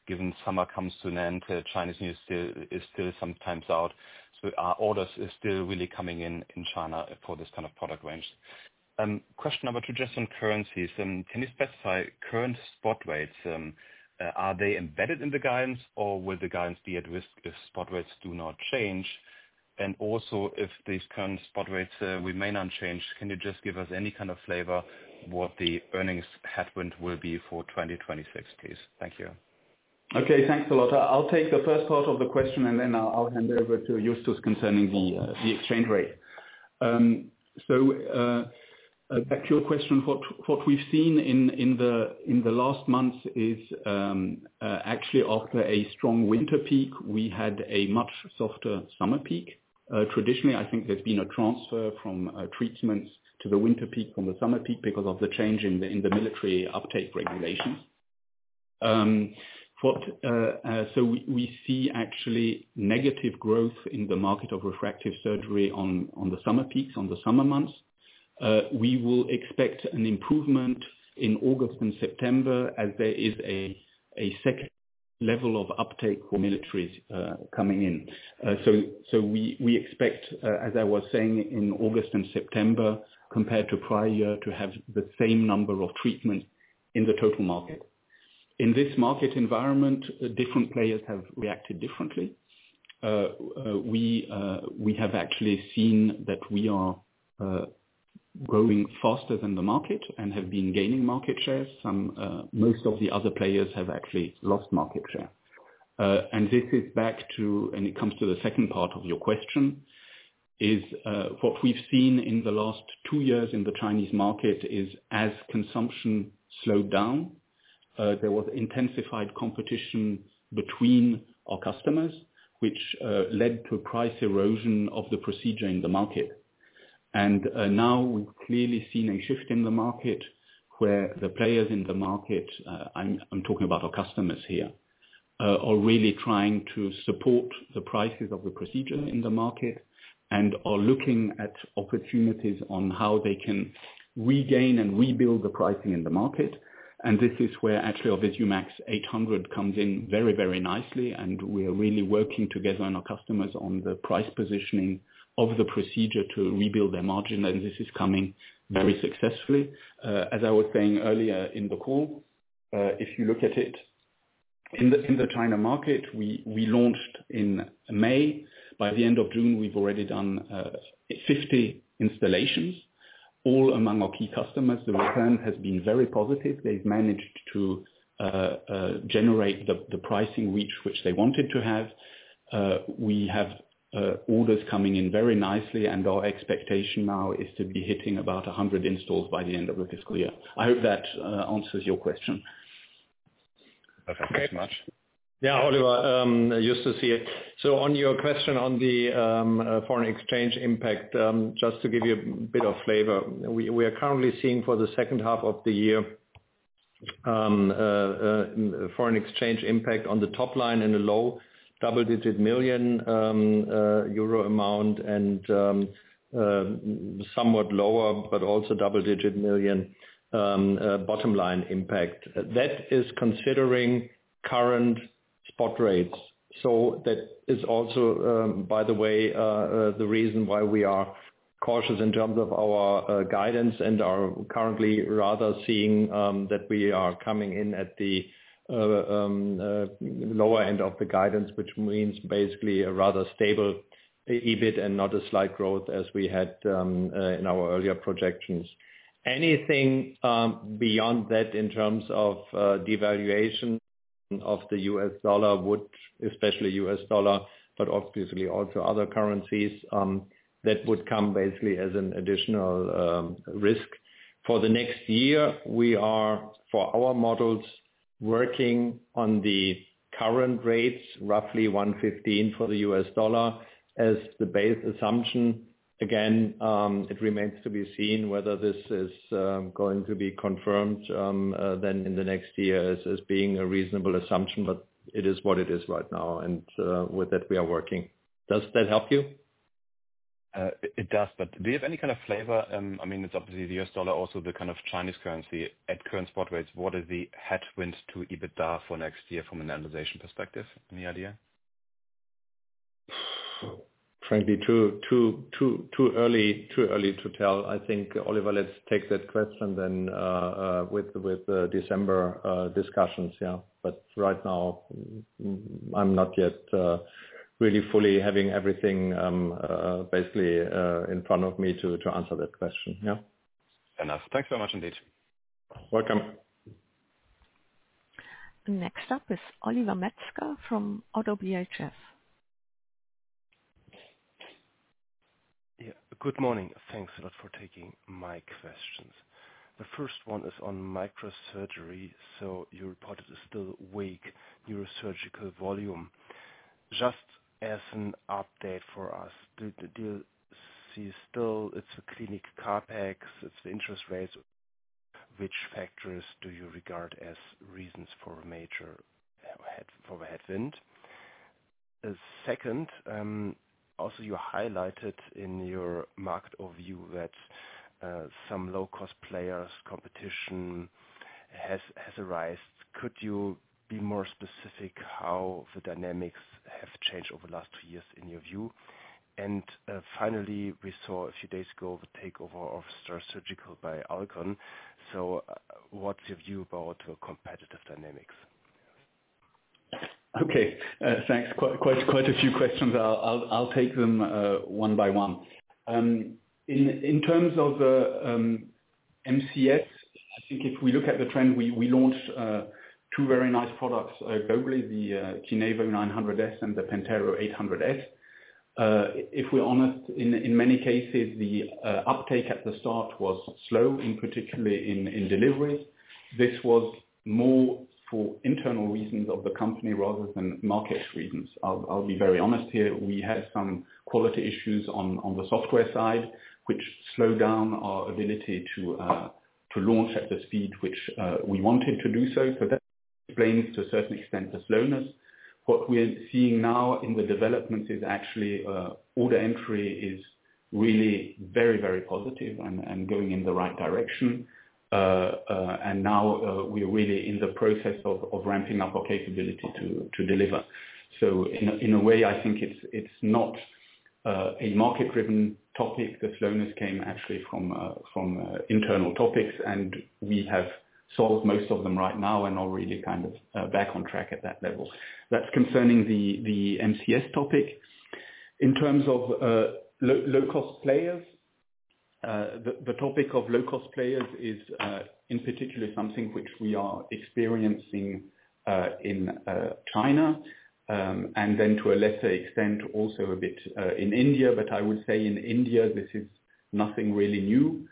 given summer comes to an end, Chinese news is still sometimes out? Are orders still really coming in in China for this kind of product range? Question number two, just in currencies. Can you specify current spot rates? Are they embedded in the guidance, or will the guidance be at risk if spot rates do not change? Also, if these current spot rates remain unchanged, can you just give us any kind of flavor of what the earnings headwind will be for 2026, please? Thank you. Okay, thanks a lot. I'll take the first part of the question, and then I'll hand over to Justus concerning the exchange rate. Back to your question, what we've seen in the last months is actually after a strong winter peak, we had a much softer summer peak. Traditionally, I think there's been a transfer from treatments to the winter peak from the summer peak because of the change in the military uptake regulation. We see actually negative growth in the market of refractive surgery on the summer peaks, on the summer months. We will expect an improvement in August and September as there is a second level of uptake for militaries coming in. We expect, as I was saying, in August and September compared to prior year to have the same number of treatments in the total market. In this market environment, different players have reacted differently. We have actually seen that we are growing faster than the market and have been gaining market share. Most of the other players have actually lost market share. This is back to, and it comes to the second part of your question, what we've seen in the last two years in the Chinese market is as consumption slowed down, there was intensified competition between our customers, which led to price erosion of the procedure in the market. Now we've clearly seen a shift in the market where the players in the market, I'm talking about our customers here, are really trying to support the prices of the procedure in the market and are looking at opportunities on how they can regain and rebuild the pricing in the market. This is where actually our VISUMAX 800 comes in very, very nicely, and we are really working together on our customers on the price positioning of the procedure to rebuild their margin. This is coming very successfully. As I was saying earlier in the call, if you look at it in the China market, we launched in May. By the end of June, we've already done 50 installations, all among our key customers. The return has been very positive. They've managed to generate the pricing reach which they wanted to have. We have orders coming in very nicely, and our expectation now is to be hitting about 100 installs by the end of the fiscal year. I hope that answers your question. Thanks so much. Yeah, Oliver, Justus here. On your question on the foreign exchange impact, just to give you a bit of flavor, we are currently seeing for the second half of the year foreign exchange impact on the top line in the low double-digit million euro amount and somewhat lower, but also double-digit million bottom line impact. That is considering current spot rates. That is also, by the way, the reason why we are cautious in terms of our guidance and are currently rather seeing that we are coming in at the lower end of the guidance, which means basically a rather stable EBIT and not a slight growth as we had in our earlier projections. Anything beyond that in terms of devaluation of the U.S. dollar would, especially U.S. dollar, but obviously also other currencies, that would come basically as an additional risk. For the next year, we are, for our models, working on the current rates, roughly 1.15 for the U.S. dollar as the base assumption. Again, it remains to be seen whether this is going to be confirmed then in the next year as being a reasonable assumption, but it is what it is right now, and with that, we are working. Does that help you? It does, but do you have any kind of flavor? I mean, it's obviously the U.S. dollar, also the kind of Chinese currency at current spot rates. What is the headwind to EBITDA for next year from an analyzation perspective? Any idea? Frankly, too early to tell. I think, Oliver, let's take that question with the December discussions. Right now, I'm not yet really fully having everything basically in front of me to answer that question. Thanks very much indeed. Welcome. Next up is Oliver Metzger from ODDO BHF. Yeah, good morning. Thanks a lot for taking my questions. The first one is on microsurgery. You reported still weak neurosurgical volume. Just as an update for us, do you see still it's the clinic CapEx, it's the interest rates, which factors do you regard as reasons for a major headwind? Second, you highlighted in your market overview that some low-cost players, competition has arised. Could you be more specific how the dynamics have changed over the last two years in your view? Finally, we saw a few days ago the takeover of STAAR Surgical by Alcon. What's your view about the competitive dynamics? Okay, thanks. Quite a few questions. I'll take them one by one. In terms of the MCS, I think if we look at the trend, we launched two very nice products globally, the KINEVO 900 S and the PENTARO 800 S. If we're honest, in many cases, the uptake at the start was slow, particularly in delivery. This was more for internal reasons of the company rather than market reasons. I'll be very honest here. We had some quality issues on the software side, which slowed down our ability to launch at the speed which we wanted to do so. That explains to a certain extent the slowness. What we're seeing now in the developments is actually order entry is really very, very positive and going in the right direction. Now we're really in the process of ramping up our capability to deliver. In a way, I think it's not a market-driven topic. The slowness came actually from internal topics, and we have solved most of them right now and already kind of back on track at that level. That's concerning the MCS topic. In terms of low-cost players, the topic of low-cost players is in particular something which we are experiencing in China, and then to a lesser extent also a bit in India. I would say in India, this is nothing really new,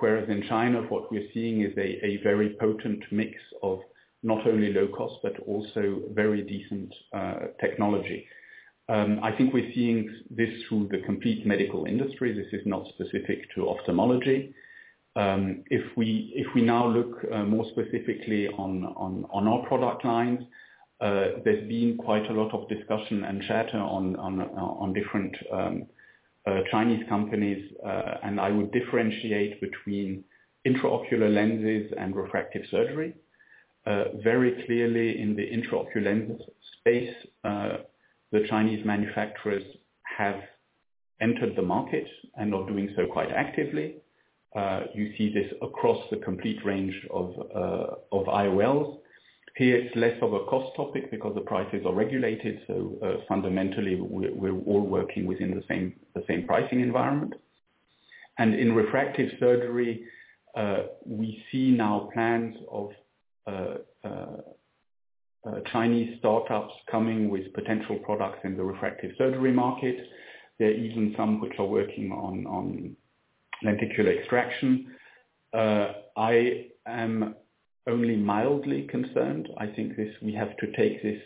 whereas in China, what we're seeing is a very potent mix of not only low cost, but also very decent technology. I think we're seeing this through the complete medical industry. This is not specific to ophthalmology. If we now look more specifically on our product lines, there's been quite a lot of discussion and chatter on different Chinese companies. I would differentiate between intraocular lenses and refractive surgery. Very clearly in the intraocular lens space, the Chinese manufacturers have entered the market and are doing so quite actively. You see this across the complete range of IOLs. Here, it's less of a cost topic because the prices are regulated. Fundamentally, we're all working within the same pricing environment. In refractive surgery, we see now plans of Chinese startups coming with potential products in the refractive surgery market. There are even some which are working on lenticular extraction. I am only mildly concerned. I think we have to take this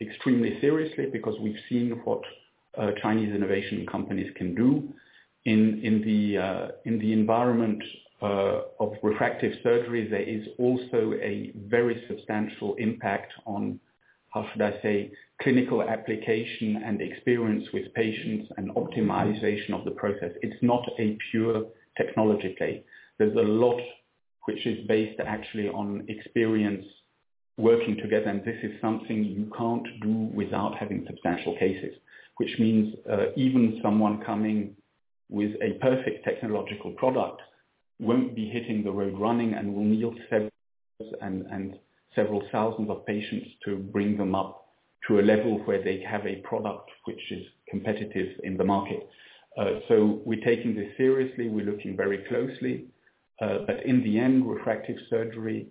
extremely seriously because we've seen what Chinese innovation companies can do. In the environment of refractive surgery, there is also a very substantial impact on, how should I say, clinical application and experience with patients and optimization of the process. It's not a pure technology play. There's a lot which is based actually on experience working together, and this is something you can't do without having substantial cases, which means even someone coming with a perfect technological product won't be hitting the road running and will need several thousands of patients to bring them up to a level where they have a product which is competitive in the market. We are taking this seriously. We are looking very closely. In the end, refractive surgery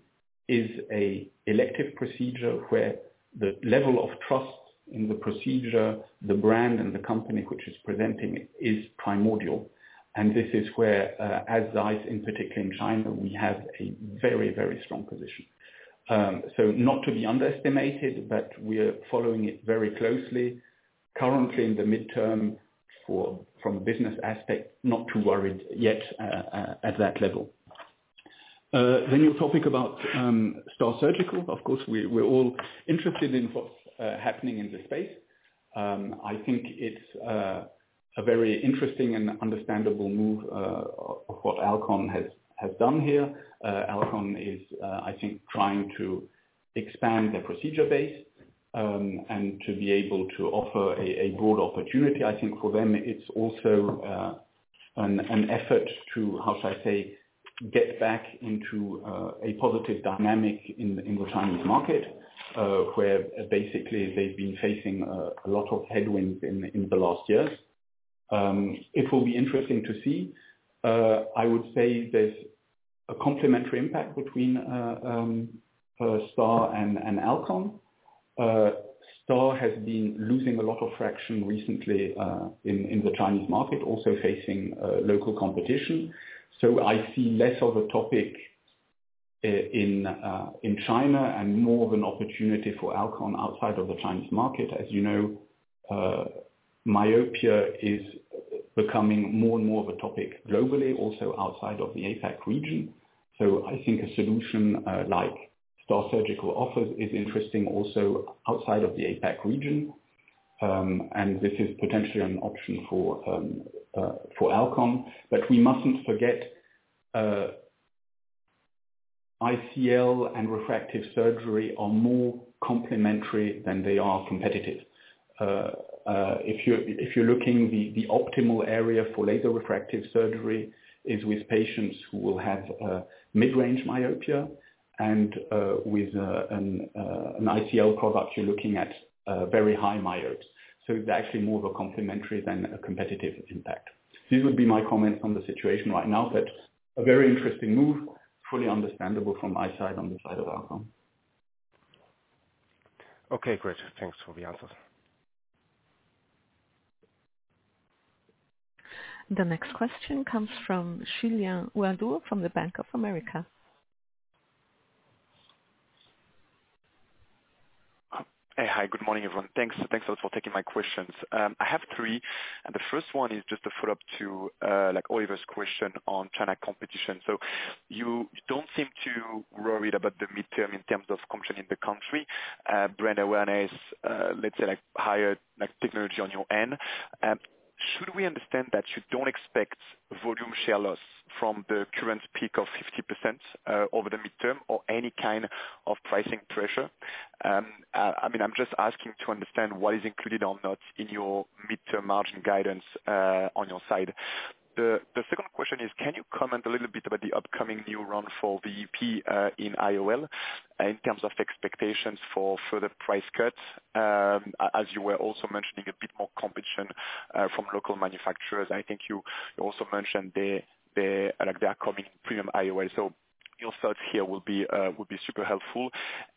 is an elective procedure where the level of trust in the procedure, the brand, and the company which is presenting it is primordial. This is where, as ZEISS in particular in China, we have a very, very strong position. Not to be underestimated, we are following it very closely. Currently, in the midterm, from a business aspect, not too worried yet at that level. Your topic about STAAR Surgical. Of course, we're all interested in what's happening in the space. I think it's a very interesting and understandable move of what Alcon has done here. Alcon is, I think, trying to expand their procedure base and to be able to offer a broad opportunity. I think for them, it's also an effort to, how should I say, get back into a positive dynamic in the Chinese market, where basically they've been facing a lot of headwinds in the last years. It will be interesting to see. I would say there's a complementary impact between STAAR and Alcon. STAAR has been losing a lot of traction recently in the Chinese market, also facing local competition. I see less of a topic in China and more of an opportunity for Alcon outside of the Chinese market. As you know, myopia is becoming more and more of a topic globally, also outside of the APAC region. I think a solution like STAAR Surgical offers is interesting also outside of the APAC region. This is potentially an option for Alcon. We mustn't forget ICL and refractive surgery are more complementary than they are competitive. If you're looking, the optimal area for laser refractive surgery is with patients who will have mid-range myopia, and with an ICL product, you're looking at very high myope. They are actually more of a complementary than a competitive impact. This would be my comment on the situation right now, a very interesting move, fully understandable from my side on the side of Alcon. Okay, great. Thanks for the answers. The next question comes from Julian Ouaddour from Bank of America. Hey, hi. Good morning, everyone. Thanks a lot for taking my questions. I have three. The first one is just a follow-up to Oliver's question on China competition. You don't seem too worried about the midterm in terms of competition in the country, brand awareness, let's say, like higher technology on your end. Should we understand that you don't expect volume share loss from the current peak of 50% over the midterm or any kind of pricing pressure? I'm just asking to understand what is included or not in your midterm margin guidance on your side. The second question is, can you comment a little bit about the upcoming new run for VEP in IOL in terms of expectations for further price cuts? As you were also mentioning, a bit more competition from local manufacturers. I think you also mentioned their coming premium IOL. Your thoughts here will be super helpful.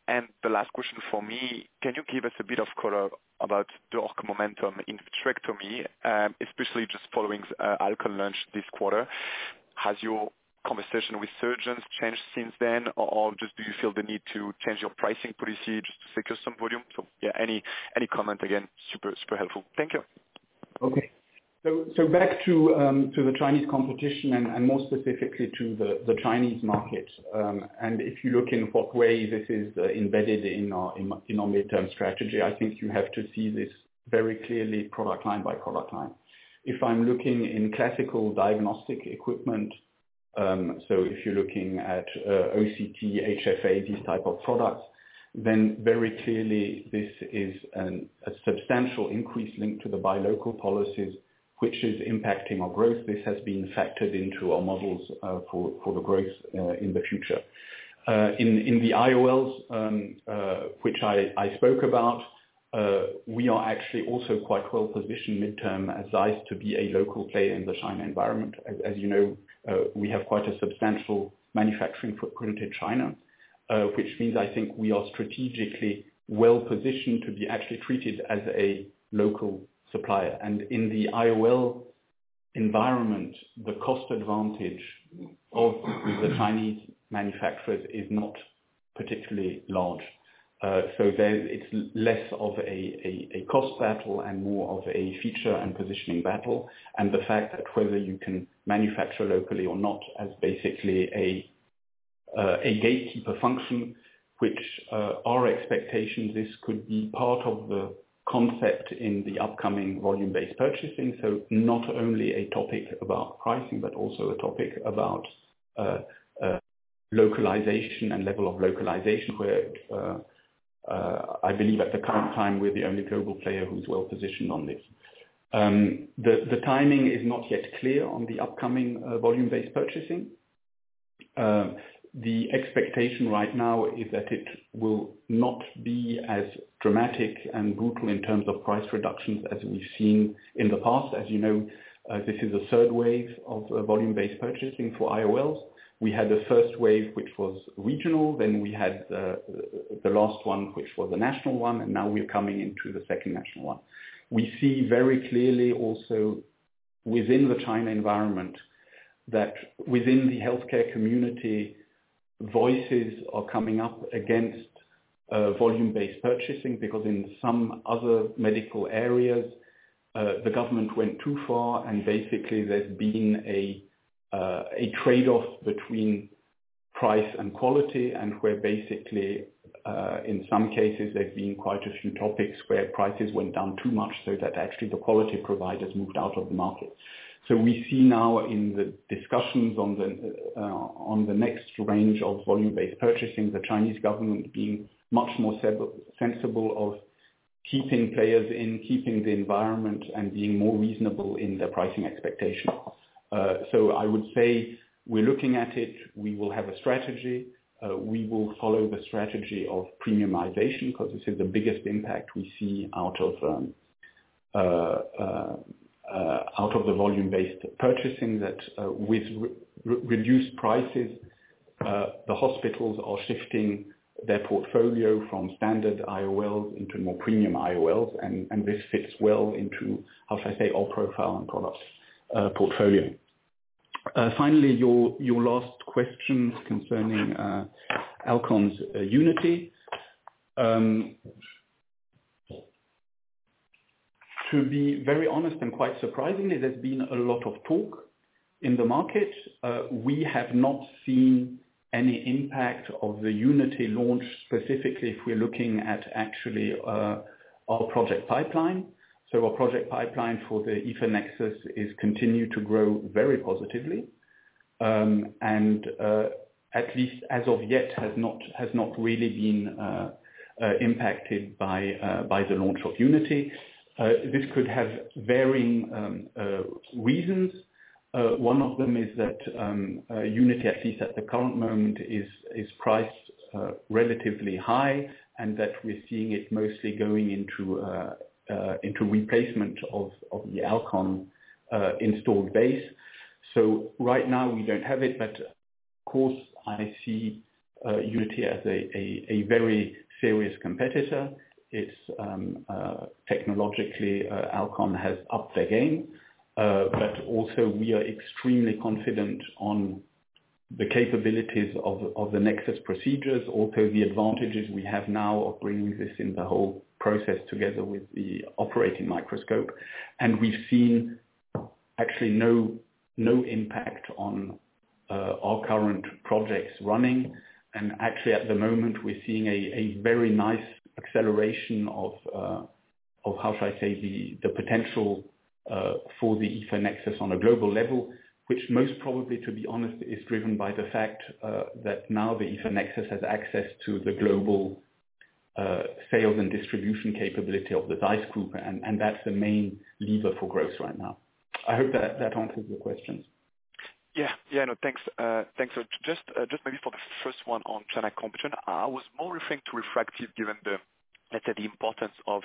The last question for me, can you give us a bit of color about D.O.R.C. momentum in vitrectomy, especially just following Alcon launch this quarter? Has your conversation with surgeons changed since then, or do you feel the need to change your pricing policy just to secure some volume? Any comment again? Super, super helpful. Thank you. Okay. Back to the Chinese competition and more specifically to the Chinese market. If you're looking for [Qua], this is embedded in our midterm strategy. You have to see this very clearly product line by product line. If I'm looking in classical diagnostic equipment, if you're looking at OCT, HFA, these types of products, then very clearly this is a substantial increase linked to the buy local policies, which is impacting our growth. This has been factored into our models for the growth in the future. In the IOLs, which I spoke about, we are actually also quite well positioned midterm as ZEISS to be a local player in the China environment. As you know, we have quite a substantial manufacturing footprint in China, which means I think we are strategically well positioned to be actually treated as a local supplier. In the IOL environment, the cost advantage of the Chinese manufacturers is not particularly large. It is less of a cost battle and more of a feature and positioning battle. The fact that whether you can manufacture locally or not has basically a gatekeeper function, which our expectation is could be part of the concept in the upcoming volume-based purchasing. It is not only a topic about pricing, but also a topic about localization and level of localization, where I believe at the current time we're the only global player who's well positioned on this. The timing is not yet clear on the upcoming volume-based purchasing. The expectation right now is that it will not be as dramatic and brutal in terms of price reductions as we've seen in the past. As you know, this is a third wave of volume-based purchasing for IOLs. We had the first wave, which was regional, then we had the last one, which was the national one, and now we're coming into the second national one. We see very clearly also within the China environment that within the healthcare community, voices are coming up against volume-based purchasing because in some other medical areas, the government went too far and basically there's been a trade-off between price and quality and where basically, in some cases, there have been quite a few topics where prices went down too much so that actually the quality providers moved out of the market. We see now in the discussions on the next range of volume-based purchasing, the Chinese government being much more sensible of keeping players in, keeping the environment, and being more reasonable in their pricing expectation. I would say we're looking at it. We will have a strategy. We will follow the strategy of premiumization because this is the biggest impact we see out of the volume-based purchasing that with reduced prices, the hospitals are shifting their portfolio from standard IOLs into more premium IOLs, and this fits well into, how should I say, our profile and products portfolio. Finally, your last questions concerning Alcon's Unity. To be very honest and quite surprisingly, there's been a lot of talk in the market. We have not seen any impact of the Unity launch specifically if we're looking at actually our project pipeline. Our project pipeline for the EVA NEXUS is continuing to grow very positively. At least as of yet, it has not really been impacted by the launch of Unity. This could have varying reasons. One of them is that Unity, at least at the current moment, is priced relatively high and that we're seeing it mostly going into replacement of the Alcon installed base. Right now, we don't have it, but of course, I see Unity as a very serious competitor. Technologically, Alcon has upped their game, but also we are extremely confident on the capabilities of the Nexus procedures. Also, the advantages we have now of bringing this in the whole process together with the operating microscope. We've seen actually no impact on our current projects running. At the moment, we're seeing a very nice acceleration of, how should I say, the potential for the EVA NEXUS on a global level, which most probably, to be honest, is driven by the fact that now the EVA NEXUS has access to the global sales and distribution capability of the ZEISS Group. That's the main lever for growth right now. I hope that answers your questions. Thanks. Just maybe for the first one on China competition, I was more referring to refractive given the importance of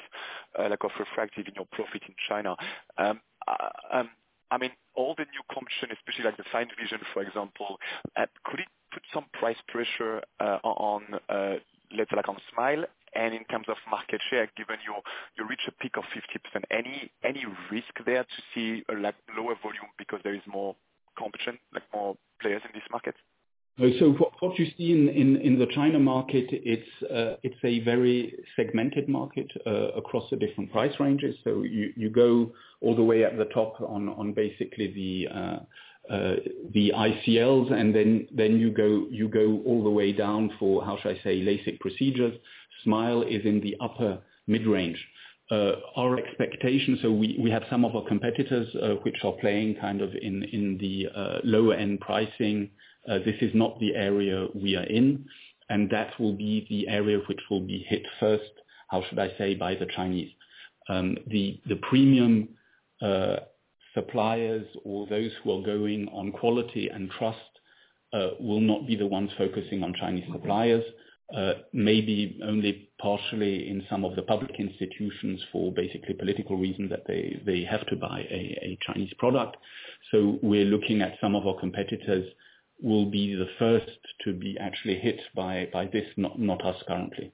refractive in your profit in China. I mean, all the new competition, especially like the Find Vision, for example, could it put some price pressure on, like on SMILE, and in terms of market share, given your reach a peak of 50%? Any risk there to see lower volume because there is more competition, like more players in this market? What you see in the China market, it's a very segmented market across the different price ranges. You go all the way at the top on basically the ICLs, and then you go all the way down for, how should I say, LASIK procedures. SMILE is in the upper mid-range. Our expectation, we have some of our competitors which are playing kind of in the lower-end pricing. This is not the area we are in. That will be the area which will be hit first, how should I say, by the Chinese. The premium suppliers or those who are going on quality and trust will not be the ones focusing on Chinese suppliers, maybe only partially in some of the public institutions for basically political reasons that they have to buy a Chinese product. We're looking at some of our competitors will be the first to be actually hit by this, not us currently.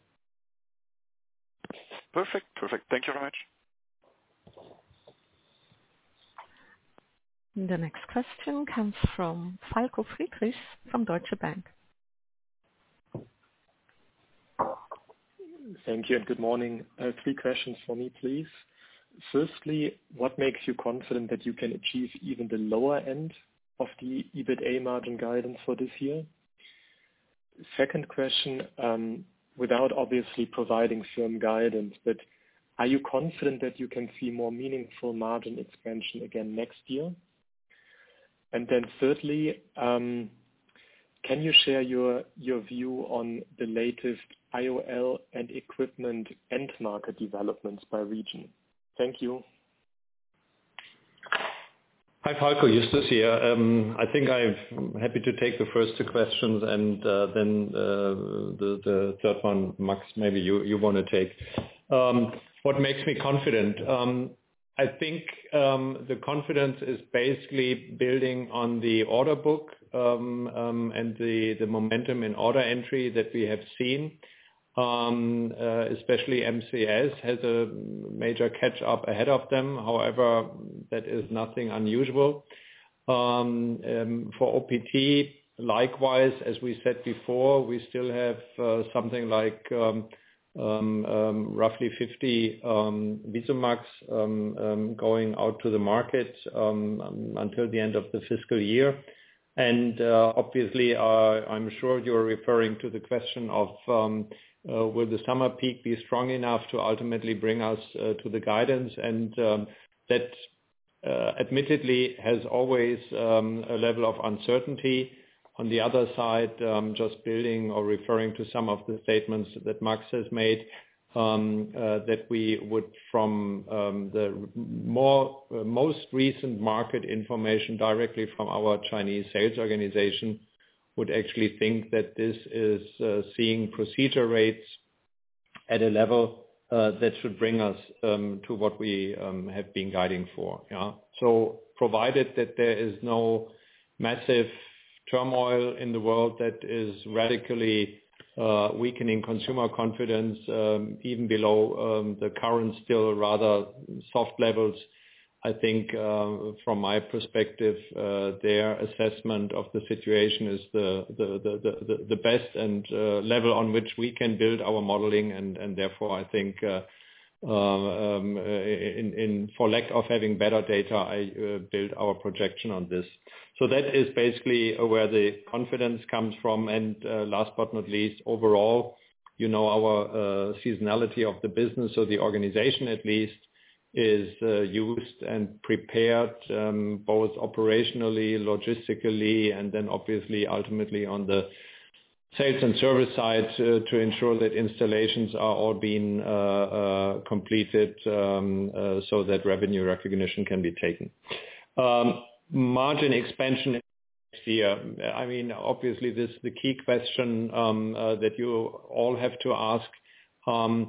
Perfect. Perfect. Thank you very much. The next question comes from Falko Friedrichs from Deutsche Bank. Thank you and good morning. Three questions for me, please. Firstly, what makes you confident that you can achieve even the lower end of the EBITDA margin guidance for this year? Second question, without obviously providing firm guidance, are you confident that you can see more meaningful margin expansion again next year? Thirdly, can you share your view on the latest IOL and equipment benchmarker developments by region? Thank you. Hi, Falko. Justus here. I think I'm happy to take the first two questions, and then the third one, Max, maybe you want to take. What makes me confident? I think the confidence is basically building on the order book and the momentum in order entry that we have seen. Especially MCS has a major catch-up ahead of them. However, that is nothing unusual. For OPT, likewise, as we said before, we still have something like roughly 50 VISUMAX going out to the market. until the end of the fiscal year. Obviously, I'm sure you're referring to the question of, will the summer peak be strong enough to ultimately bring us to the guidance? That, admittedly, has always a level of uncertainty. On the other side, just building or referring to some of the statements that Mark has made, that we would, from the most recent market information directly from our Chinese sales organization, actually think that this is seeing procedure rates at a level that should bring us to what we have been guiding for. Provided that there is no massive turmoil in the world that is radically weakening consumer confidence, even below the current still rather soft levels, I think, from my perspective, their assessment of the situation is the best level on which we can build our modeling. Therefore, I think, for lack of having better data, I build our projection on this. That is basically where the confidence comes from. Last but not least, overall, our seasonality of the business or the organization at least is used and prepared, both operationally, logistically, and then ultimately on the sales and service side, to ensure that installations are all being completed so that revenue recognition can be taken. Margin expansion here. Obviously, this is the key question that you all have to ask.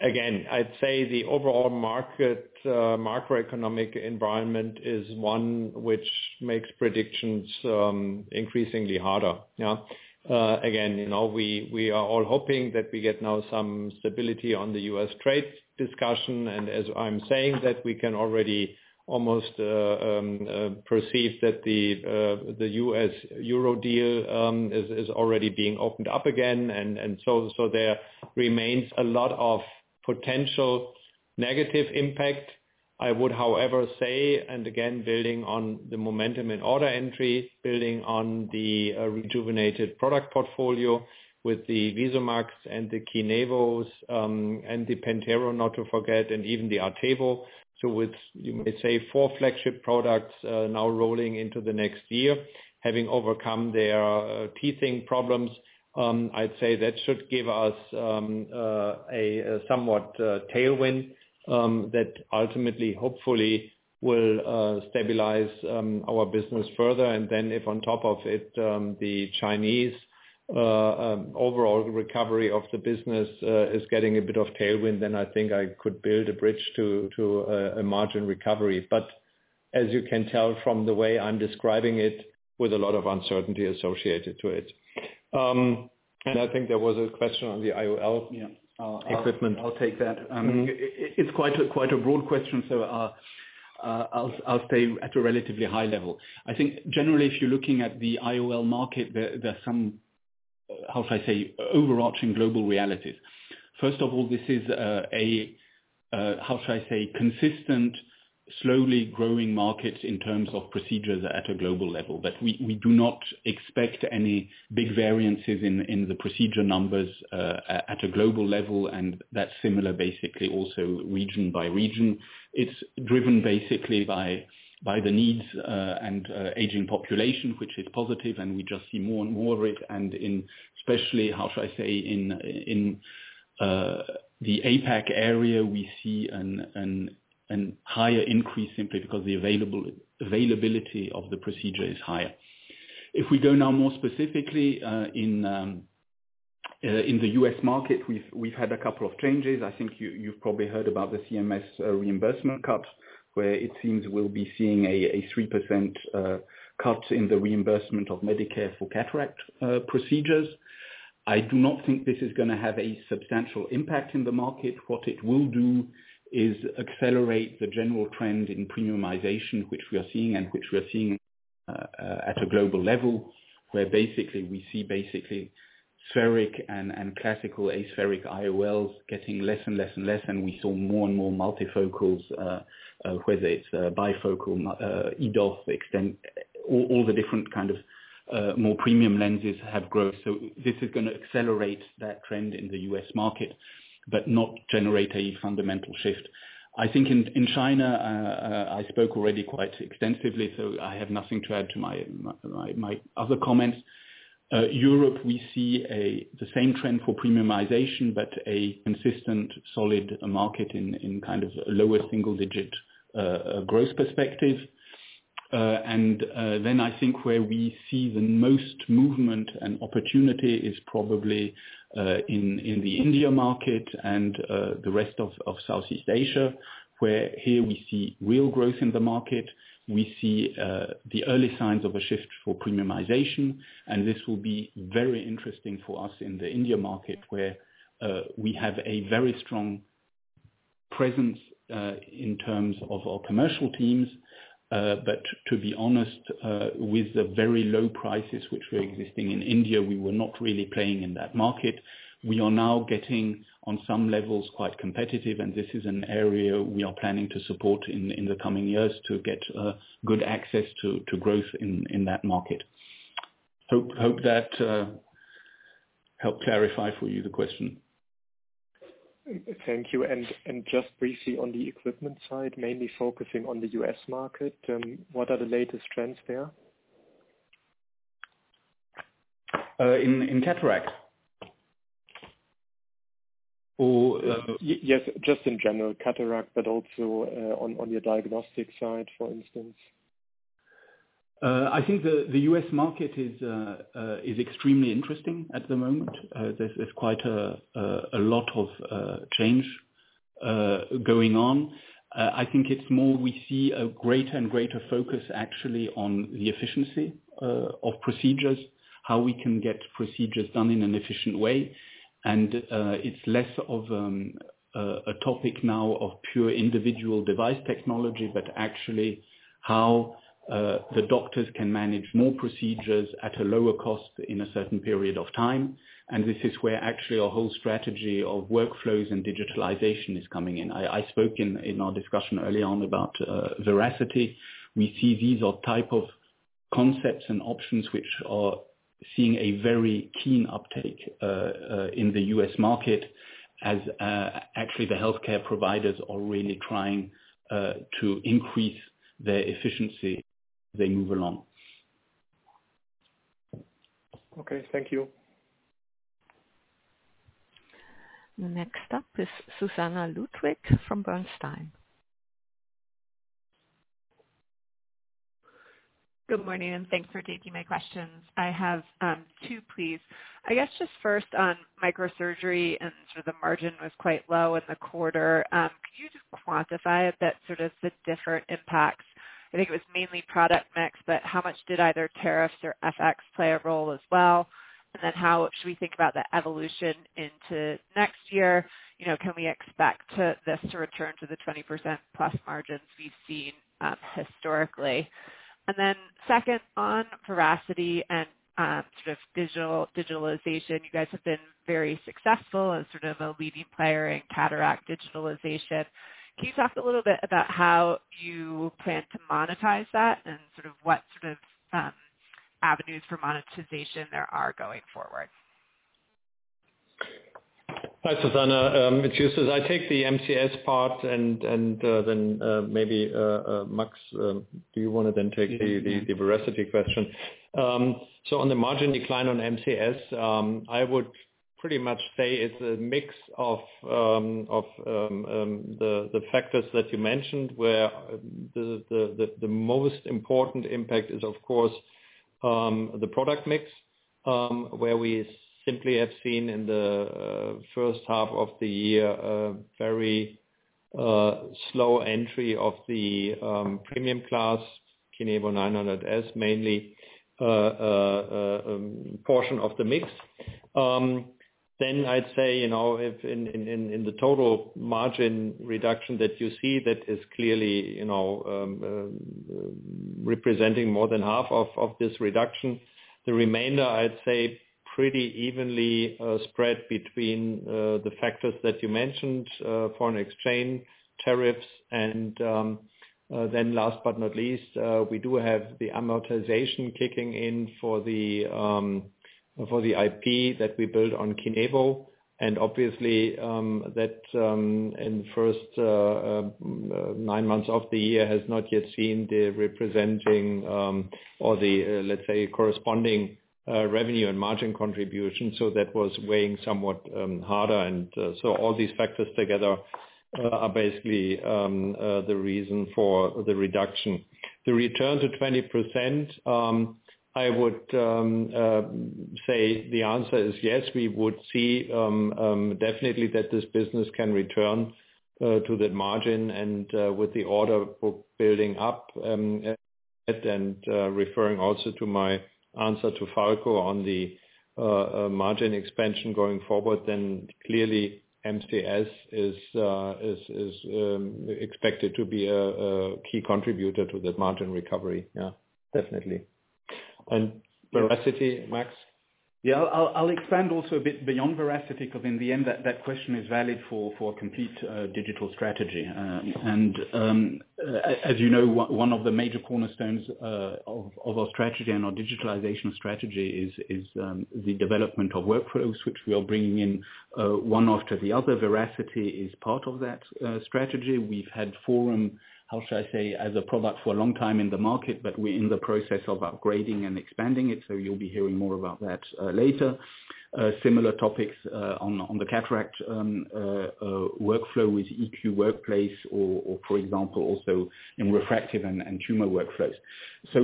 Again, I'd say the overall market, macroeconomic environment is one which makes predictions increasingly harder. Again, we are all hoping that we get now some stability on the U.S. trade discussion. As I'm saying that, we can already almost perceive that the U.S.-Euro deal is already being opened up again. There remains a lot of potential negative impact. I would, however, say, and again, building on the momentum in order entry, building on the rejuvenated product portfolio with the VISUMAX and the KINEVOs, and the PENTERO, not to forget, and even the ARTEVO. With, you may say, four flagship products now rolling into the next year, having overcome their teething problems, I'd say that should give us a somewhat tailwind that ultimately, hopefully, will stabilize our business further. If on top of it, the Chinese overall recovery of the business is getting a bit of tailwind, then I think I could build a bridge to a margin recovery. As you can tell from the way I'm describing it, there is a lot of uncertainty associated to it. I think there was a question on the IOL. Yeah. Equipment. I'll take that. It's quite a broad question, so I'll stay at a relatively high level. I think generally, if you're looking at the IOL market, there are some, how shall I say, overarching global realities. First of all, this is a, how shall I say, consistent, slowly growing market in terms of procedures at a global level. We do not expect any big variances in the procedure numbers at a global level, and that's similar basically also region by region. It's driven basically by the needs and aging population, which is positive, and we just see more and more of it. Especially in the APAC area, we see a higher increase simply because the availability of the procedure is higher. If we go now more specifically in the U.S. market, we've had a couple of changes. I think you've probably heard about the CMS reimbursement cut where it seems we'll be seeing a 3% cut in the reimbursement of Medicare for cataract procedures. I do not think this is going to have a substantial impact in the market. What it will do is accelerate the general trend in premiumization, which we are seeing and which we are seeing at a global level where basically we see spheric and classical aspheric IOLs getting less and less, and we see more and more multifocals, whether it's bifocal, EDOF, extended, all the different kinds of more premium lenses have growth. This is going to accelerate that trend in the U.S. market, but not generate a fundamental shift. I think in China, I spoke already quite extensively, so I have nothing to add to my other comments. Europe, we see the same trend for premiumization, but a consistent, solid market in kind of a lower single-digit growth perspective. I think where we see the most movement and opportunity is probably in the India market and the rest of Southeast Asia where we see real growth in the market. We see the early signs of a shift for premiumization, and this will be very interesting for us in the India market where we have a very strong presence in terms of our commercial teams. To be honest, with the very low prices which were existing in India, we were not really playing in that market. We are now getting, on some levels, quite competitive, and this is an area we are planning to support in the coming years to get good access to growth in that market. Hope that helps clarify for you the question. Thank you. Just briefly on the equipment side, mainly focusing on the U.S. market, what are the latest trends there? In cataract? Yes, just in general, cataract, but also on your diagnostic side, for instance. I think the U.S. market is extremely interesting at the moment. There's quite a lot of change going on. I think it's more we see a greater and greater focus actually on the efficiency of procedures, how we can get procedures done in an efficient way. It's less of a topic now of pure individual device technology, but actually how the doctors can manage more procedures at a lower cost in a certain period of time. This is where actually our whole strategy of workflows and digitalization is coming in. I spoke in our discussion early on about VERACITY. We see these are the type of concepts and options which are seeing a very keen uptake in the U.S. market as the healthcare providers are really trying to increase their efficiency as they move along. Okay. Thank you. The next up is Susannah Ludwig from Bernstein. Good morning, and thanks for taking my questions. I have two, please. I guess just first on microsurgery and sort of the margin was quite low in the quarter. Could you just quantify a bit sort of the different impacts? I think it was mainly product mix, but how much did either tariffs or FX play a role as well? How should we think about the evolution into next year? You know, can we expect this to return to the 20%+ margins we've seen historically? Second, on VERACITY and sort of digital digitalization, you guys have been very successful as sort of a leading player in cataract digitalization. Can you talk a little bit about how you plan to monetize that and sort of what sort of avenues for monetization there are going forward? Hi, Susannah. It's Justus. I take the MCS part, and then, maybe, Max, do you want to then take the VERACITY question? On the margin decline on MCS, I would pretty much say it's a mix of the factors that you mentioned, where the most important impact is, of course, the product mix, where we simply have seen in the first half of the year very slow entry of the premium class, KINEVO 900 S mainly, portion of the mix. I'd say, in the total margin reduction that you see, that is clearly representing more than half of this reduction. The remainder, I'd say, is pretty evenly spread between the factors that you mentioned: foreign exchange, tariffs, and then last but not least, we do have the amortization kicking in for the IP that we build on KINEVO. Obviously, that, in the first nine months of the year, has not yet seen the corresponding revenue and margin contribution. That was weighing somewhat harder. All these factors together are basically the reason for the reduction. The return to 20%, I would say the answer is yes. We would see definitely that this business can return to that margin, and with the order book building up, and referring also to my answer to Falko on the margin expansion going forward, clearly MCS is expected to be a key contributor to that margin recovery. Yeah. Definitely. And VERACITY, Max? Yeah. I'll expand also a bit beyond VERACITY because in the end, that question is valid for a complete digital strategy. As you know, one of the major cornerstones of our strategy and our digitalization strategy is the development of workflows, which we are bringing in, one after the other. VERACITY is part of that strategy. We've had FORUM, how shall I say, as a product for a long time in the market, but we're in the process of upgrading and expanding it. You'll be hearing more about that later. Similar topics on the cataract workflow with EQ Workplace or, for example, also in refractive and tumor workflows.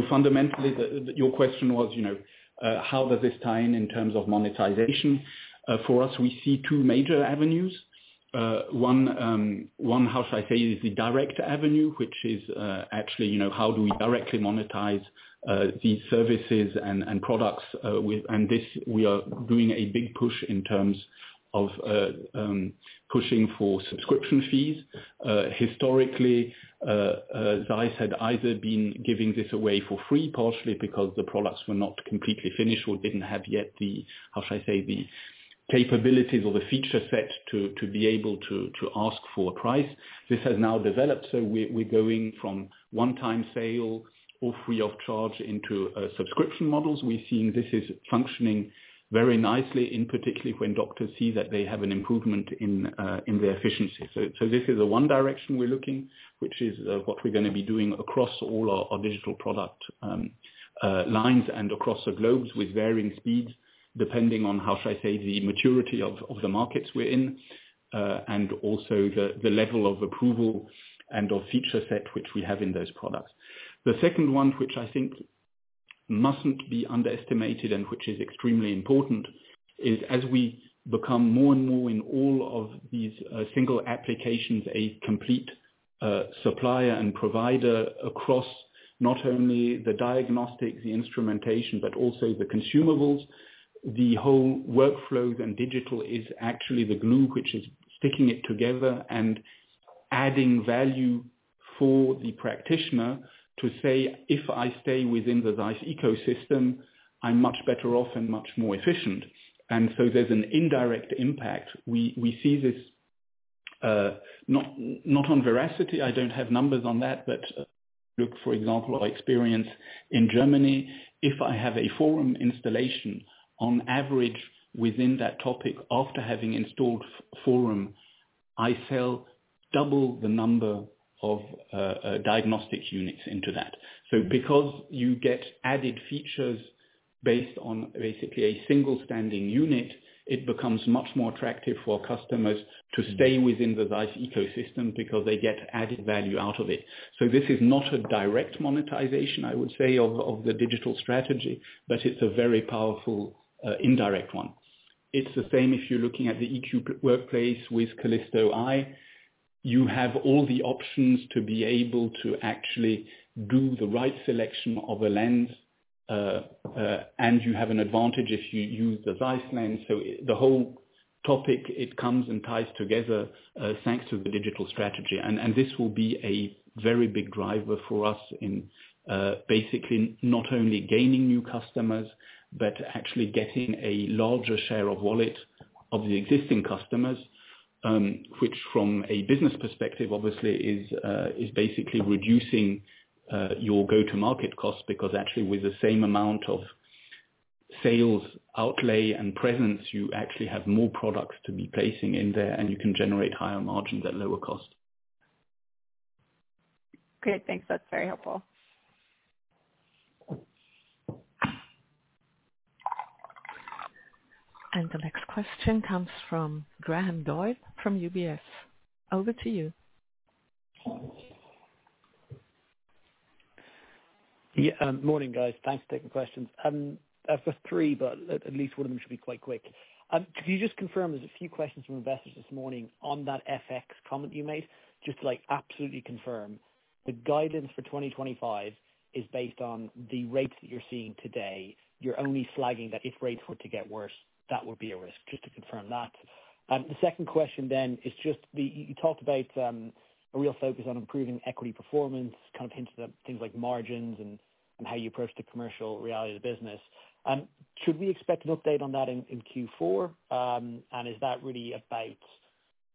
Fundamentally, your question was, you know, how does this tie in in terms of monetization? For us, we see two major avenues. One, how shall I say, is the direct avenue, which is actually, you know, how do we directly monetize these services and products, and this we are doing a big push in terms of pushing for subscription fees. Historically, as I said, either been giving this away for free partially because the products were not completely finished or didn't have yet the, how shall I say, the capabilities or the feature set to be able to ask for a price. This has now developed. We're going from one-time sale or free of charge into subscription models. We've seen this is functioning very nicely, particularly when doctors see that they have an improvement in their efficiency. This is the one direction we're looking, which is what we are going to be doing across all our digital product lines and across the globe with varying speeds depending on, how shall I say, the maturity of the markets we're in, and also the level of approval and of feature set which we have in those products. The second one, which I think mustn't be underestimated and which is extremely important, is as we become more and more in all of these single applications, a complete supplier and provider across not only the diagnostics, the instrumentation, but also the consumables, the whole workflows, and digital is actually the glue which is sticking it together and adding value for the practitioner to say, "If I stay within the ZEISS ecosystem, I'm much better off and much more efficient." There's an indirect impact. We see this, not on VERACITY. I don't have numbers on that, but, look, for example, our experience in Germany, if I have a FORUM installation, on average, within that topic after having installed FORUM, I sell double the number of diagnostic units into that. Because you get added features based on basically a single standing unit, it becomes much more attractive for customers to stay within the ZEISS ecosystem because they get added value out of it. This is not a direct monetization, I would say, of the digital strategy, but it's a very powerful, indirect one. It's the same if you're looking at the EQ Workplace with Callisto eye. You have all the options to be able to actually do the right selection of a lens, and you have an advantage if you use the ZEISS lens. The whole topic comes and ties together, thanks to the digital strategy. This will be a very big driver for us in basically not only gaining new customers, but actually getting a larger share of wallet of the existing customers, which from a business perspective, obviously, is basically reducing your go-to-market costs because actually with the same amount of sales outlay and presence, you actually have more products to be placing in there, and you can generate higher margins at lower cost. Great. Thanks. That's very helpful. The next question comes from Graham Doyle from UBS. Over to you. Yeah. Morning, guys. Thanks for taking questions. I've got three, but at least one of them should be quite quick. Could you just confirm there's a few questions from investors this morning on that FX comment you made? Just to, like, absolutely confirm, the guidance for 2025 is based on the rates that you're seeing today. You're only flagging that if rates were to get worse, that would be a risk. Just to confirm that. The second question then is just the you talked about, a real focus on improving equity performance, kind of hints to things like margins and how you approach the commercial reality of the business. Should we expect an update on that in Q4? Is that really about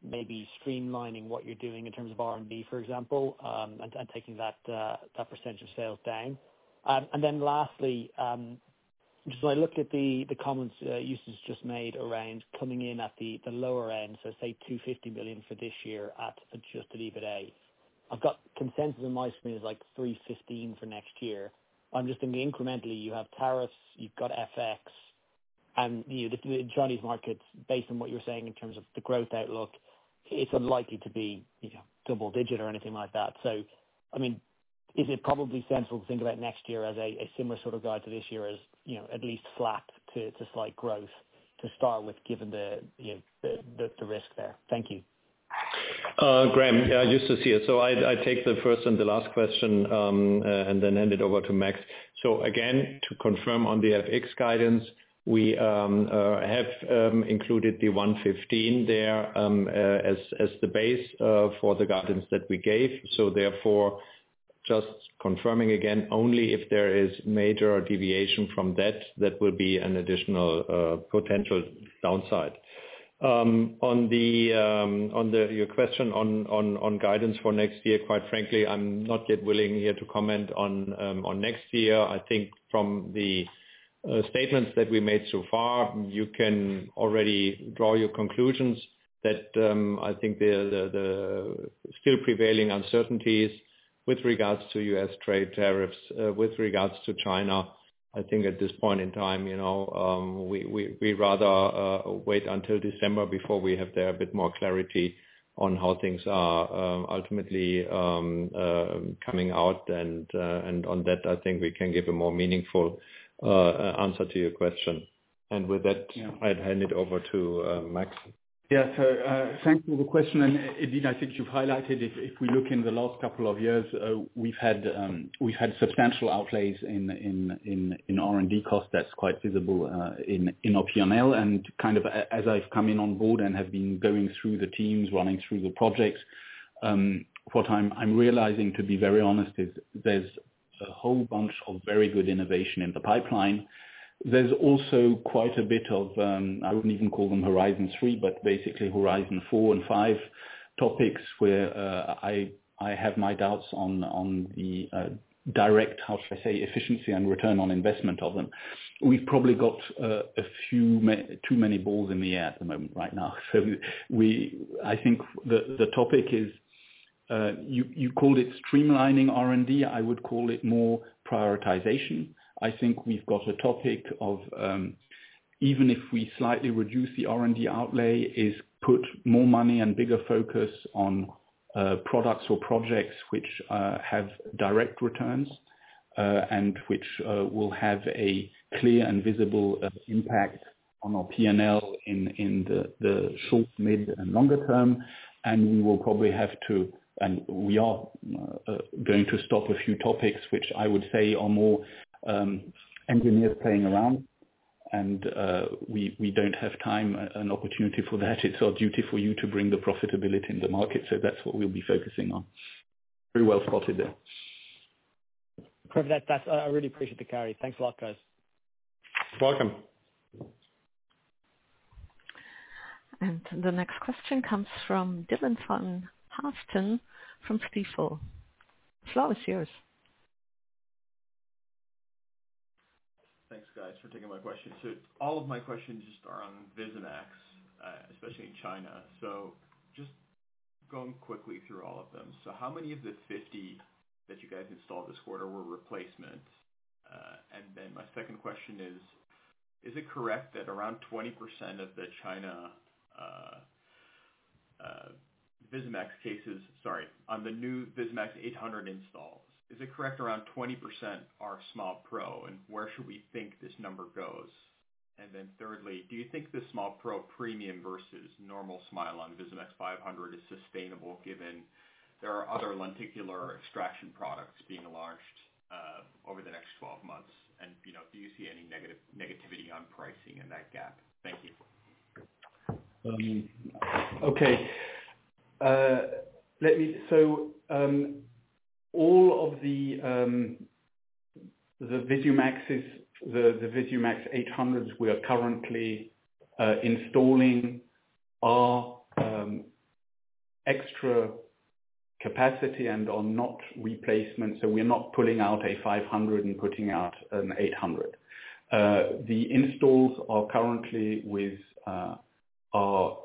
maybe streamlining what you're doing in terms of R&D, for example, and taking that percentage of sales down? Lastly, just when I looked at the comments, Justus just made around coming in at the lower end. So say 250 million for this year at adjusted EBITDA. I've got consensus in my screen is like 315 million for next year. I'm just thinking incrementally, you have tariffs, you've got FX, and you know, the Chinese markets, based on what you're saying in terms of the growth outlook, it's unlikely to be, you know, double digit or anything like that. I mean, is it probably sensible to think about next year as a similar sort of guide to this year as, you know, at least flat to slight growth to start with given the risk there? Thank you. Graham, Justus here. I take the first and the last question, and then hand it over to Max. Again, to confirm on the FX guidance, we have included the 1.15 there as the base for the guidance that we gave. Therefore, just confirming again, only if there is major deviation from that, that will be an additional potential downside. On your question on guidance for next year, quite frankly, I'm not yet willing here to comment on next year. I think from the statements that we made so far, you can already draw your conclusions that the still prevailing uncertainties with regards to U.S. trade tariffs, with regards to China, at this point in time, we'd rather wait until December before we have a bit more clarity on how things are ultimately coming out. I think we can give a more meaningful answer to your question then. With that, I'd hand it over to Max. Yeah. Thanks for the question. I think you've highlighted, if we look in the last couple of years, we've had substantial outlays in R&D cost. That's quite visible in the P&L. As I've come on board and have been going through the teams, running through the projects, what I'm realizing, to be very honest, is there's a whole bunch of very good innovation in the pipeline. There's also quite a bit of, I wouldn't even call them horizon three, but basically horizon four and five topics where I have my doubts on the direct, how shall I say, efficiency and return on investment of them. We've probably got a few too many balls in the air at the moment right now. I think the topic is, you called it streamlining R&D. I would call it more prioritization. I think we've got a topic of, even if we slightly reduce the R&D outlay, put more money and bigger focus on products or projects which have direct returns, and which will have a clear and visible impact on our P&L in the short, mid, and longer term. We will probably have to, and we are, going to stop a few topics, which I would say are more engineers playing around. We don't have time, an opportunity for that. It's our duty for you to bring the profitability in the market. That's what we'll be focusing on. Pretty well spotted there. Perfect. I really appreciate the clarity. Thanks a lot, guys. You're welcome. The next question comes from Dylan van Haaften from Stifel. The floor is yours. Thanks, guys, for taking my question. All of my questions are on VISUMAX, especially in China. Going quickly through all of them, how many of the 50 that you guys installed this quarter were replacement? My second question is, is it correct that around 20% of the China VISUMAX cases, sorry, on the new VISUMAX 800 installs, is it correct around 20% are SMILE Pro, and where should we think this number goes? Thirdly, do you think the SMILE Pro premium versus normal SMILE on VISUMAX 500 is sustainable given there are other lenticular extraction products being launched over the next 12 months? Do you see any negativity on pricing in that gap? Thank you. Okay. Let me, so all of the VISUMAXes, the VISUMAX 800s we are currently installing are extra capacity and are not replacement. We're not pulling out a 500 and putting out an 800. The installs are currently with our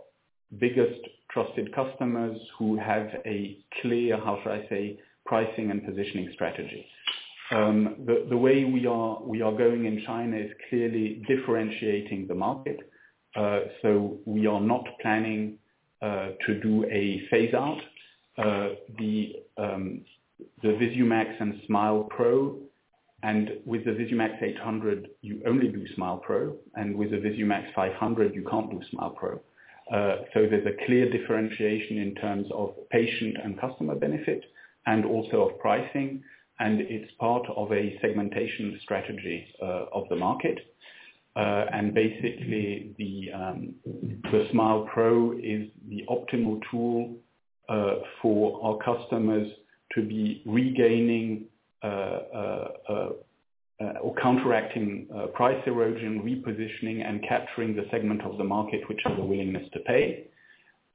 biggest trusted customers who have a clear, how shall I say, pricing and positioning strategy. The way we are going in China is clearly differentiating the market. We are not planning to do a phase out. The VISUMAX and SMILE Pro, and with the VISUMAX 800, you only do SMILE Pro, and with the VISUMAX 500, you can't do SMILE Pro. There's a clear differentiation in terms of patient and customer benefit and also of pricing. It's part of a segmentation strategy of the market. Basically, the SMILE Pro is the optimal tool for our customers to be regaining or counteracting price erosion, repositioning, and capturing the segment of the market which has a willingness to pay.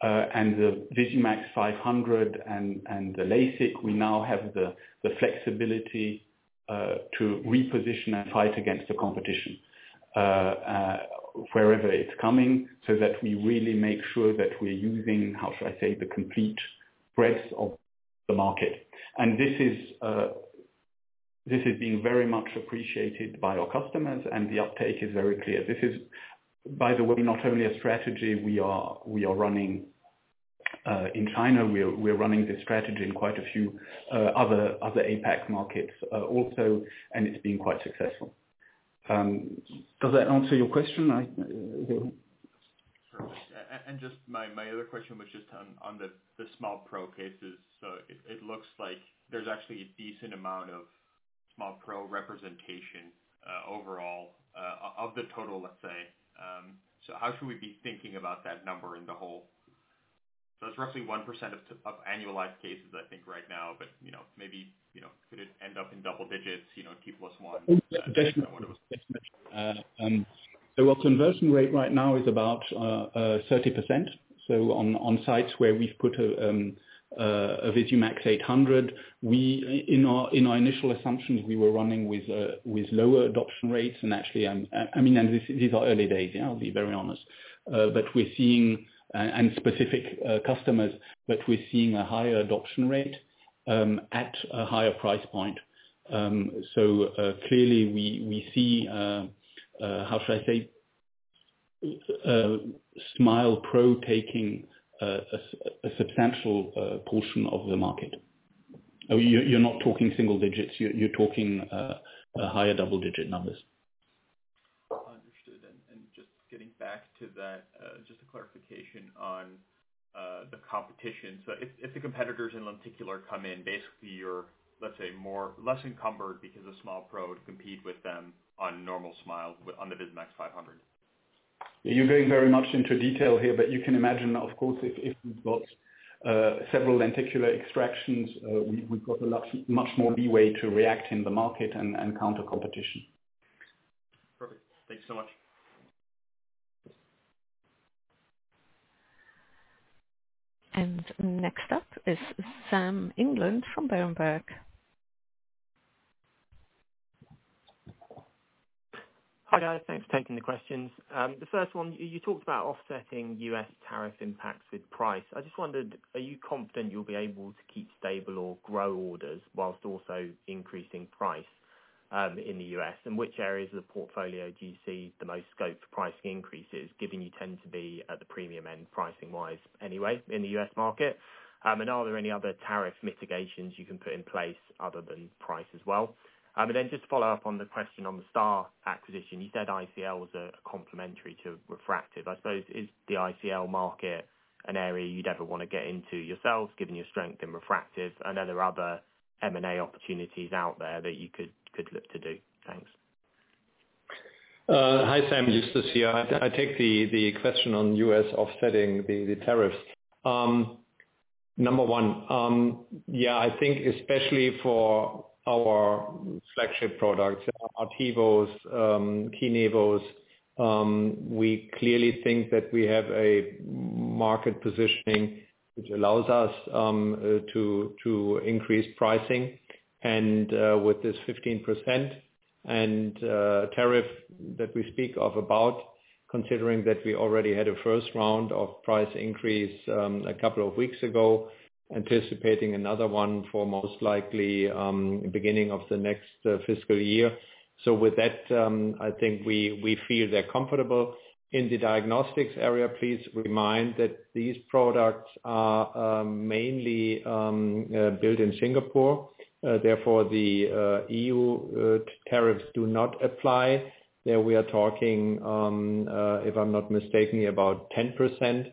The VISUMAX 500 and the LASIK, we now have the flexibility to reposition and fight against the competition, wherever it's coming, so that we really make sure that we're using, how shall I say, the complete breadth of the market. This is being very much appreciated by our customers, and the uptake is very clear. This is, by the way, not only a strategy we are running in China. We're running this strategy in quite a few other APAC markets also, and it's been quite successful. Does that answer your question? I, okay. Perfect. My other question, which is on the SMILE Pro cases. It looks like there's actually a decent amount of SMILE Pro representation overall of the total, let's say. How should we be thinking about that number in the whole? It's roughly 1% of annualized cases, I think, right now, but, you know, maybe, you know, could it end up in double digits, you know, t+1? Oh, yeah. Definitely. Our conversion rate right now is about 30%. On sites where we've put a VISUMAX 800, in our initial assumptions, we were running with lower adoption rates. Actually, I mean, these are early days. I'll be very honest, but we're seeing, in specific customers, a higher adoption rate at a higher price point. Clearly, we see, how shall I say, SMILE Pro taking a substantial portion of the market. You're not talking single digits. You're talking higher double digit numbers. Understood. Just getting back to that, just a clarification on the competition. If the competitors in lenticular come in, basically, you're more or less encumbered because of SMILE Pro to compete with them on normal SMILE on the VISUMAX 800. You're going very much into detail here, but you can imagine, of course, if we've got several lenticular extractions, we've got a lot much more leeway to react in the market and counter competition. Perfect. Thank you so much. Next up is Samuel England from Berenberg. Hi, guys. Thanks for taking the questions. The first one, you talked about offsetting U.S. tariff impacts with price. I just wondered, are you confident you'll be able to keep stable or grow orders whilst also increasing price in the U.S.? Which areas of the portfolio do you see the most scope for pricing increases, given you tend to be at the premium end pricing-wise anyway in the U.S. market? Are there any other tariff mitigations you can put in place other than price as well? To follow up on the question on the STAAR acquisition, you said ICL was complementary to refractive. I suppose, is the ICL market an area you'd ever want to get into yourselves, given your strength in refractive? I know there are other M&A opportunities out there that you could look to do. Thanks. Hi, Sam. Justus here. I take the question on U.S. offsetting the tariffs. Number one, yeah, I think especially for our flagship products, ARTEVOs, KINEVOs, we clearly think that we have a market positioning which allows us to increase pricing. With this 15% tariff that we speak of, considering that we already had a first round of price increase a couple of weeks ago, anticipating another one for most likely the beginning of the next fiscal year. With that, I think we feel comfortable. In the diagnostics area, please remind that these products are mainly built in Singapore. Therefore, the EU tariffs do not apply. There we are talking, if I'm not mistaken, about 10%.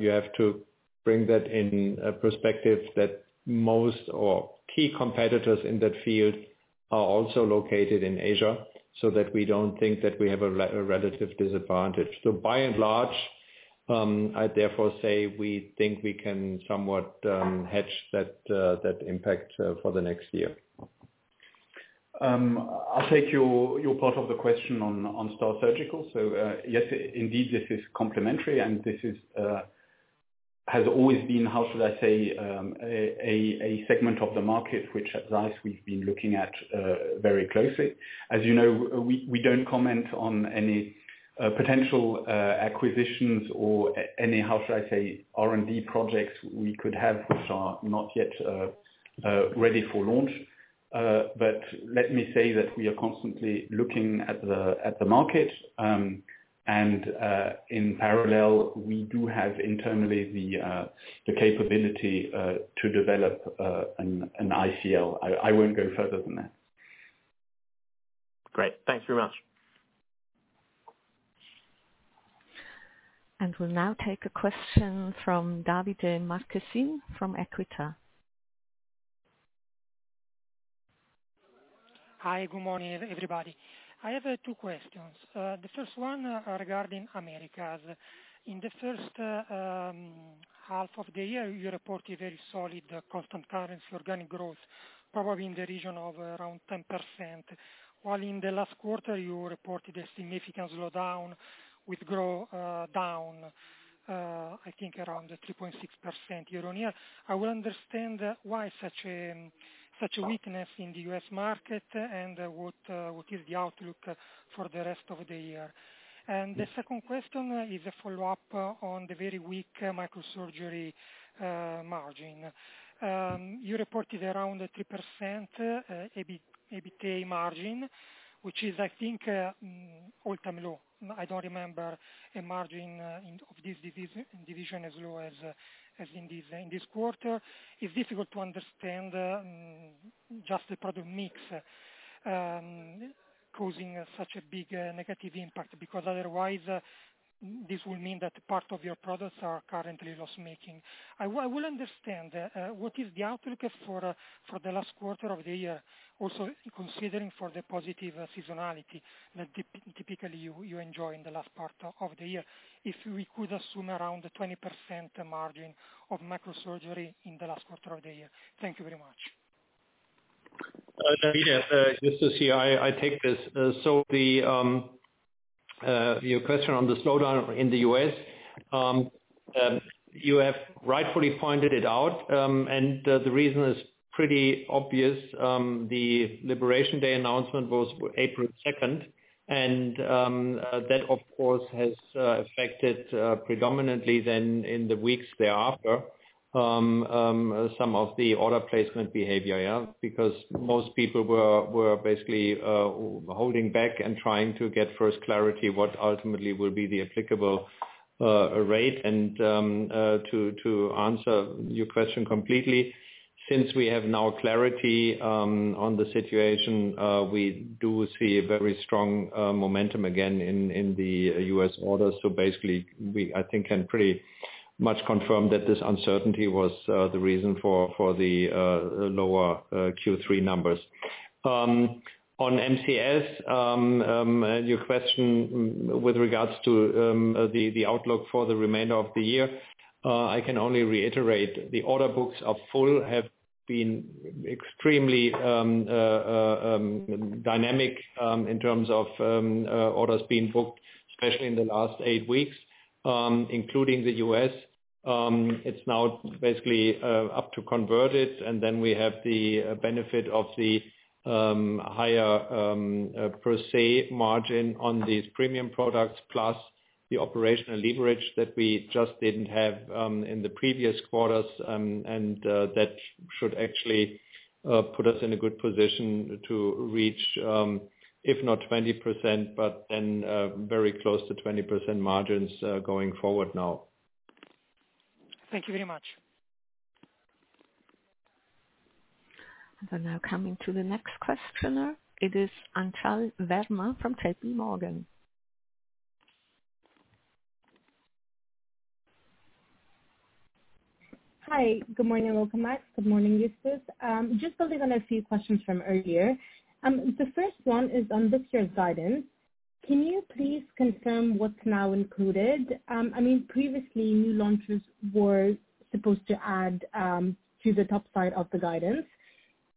You have to bring that in a perspective that most or key competitors in that field are also located in Asia so that we don't think that we have a relative disadvantage. By and large, I therefore say we think we can somewhat hedge that impact for the next year. I'll take your part of the question on STAAR Surgical. Yes, indeed, this is complementary, and this has always been, how should I say, a segment of the market which at ZEISS we've been looking at very closely. As you know, we don't comment on any potential acquisitions or any, how should I say, R&D projects we could have which are not yet ready for launch. Let me say that we are constantly looking at the market. In parallel, we do have internally the capability to develop an ICL. I won't go further than that. Great, thanks very much. We will now take a question from Davide Marquesin from EQUITA. Hi. Good morning, everybody. I have two questions. The first one, regarding the Americas. In the first half of the year, you reported very solid, constant currency organic growth, probably in the region of around 10%. While in the last quarter, you reported a significant slowdown with growth down, I think, around 3.6% year-on-year. I want to understand why such a weakness in the U.S. market and what is the outlook for the rest of the year. The second question is a follow-up on the very weak microsurgery margin. You reported around 3% EBITDA margin, which is, I think, an all-time low. I don't remember a margin in this division as low as in this quarter. It's difficult to understand just the product mix causing such a big negative impact because otherwise, this would mean that part of your products are currently loss making. I want to understand what is the outlook for the last quarter of the year, also considering the positive seasonality that typically you enjoy in the last part of the year, if we could assume around the 20% margin of microsurgery in the last quarter of the year. Thank you very much. Davide, Justus here. I take this. Your question on the slowdown in the U.S., you have rightfully pointed it out. The reason is pretty obvious. The Liberation Day announcement was April 2nd. That, of course, has affected predominantly in the weeks thereafter some of the order placement behavior. Most people were basically holding back and trying to get first clarity of what ultimately will be the applicable rate. To answer your question completely, since we have now clarity on the situation, we do see a very strong momentum again in the U.S. order. We, I think, can pretty much confirm that this uncertainty was the reason for the lower Q3 numbers. On MCS, and your question with regards to the outlook for the remainder of the year, I can only reiterate the order books are full, have been extremely dynamic in terms of orders being booked, especially in the last eight weeks, including the U.S. It's now basically up to convert it. We have the benefit of the higher per se margin on these premium products plus the operational leverage that we just didn't have in the previous quarters, and that should actually put us in a good position to reach, if not 20%, then very close to 20% margins going forward now. Thank you very much. I'm now coming to the next questioner. It is Anchal Verma from JPMorgan. Hi. Good morning, and welcome, Max. Good morning, Justus. Just building on a few questions from earlier. The first one is on this year's guidance. Can you please confirm what's now included? I mean, previously, new launches were supposed to add to the top side of the guidance.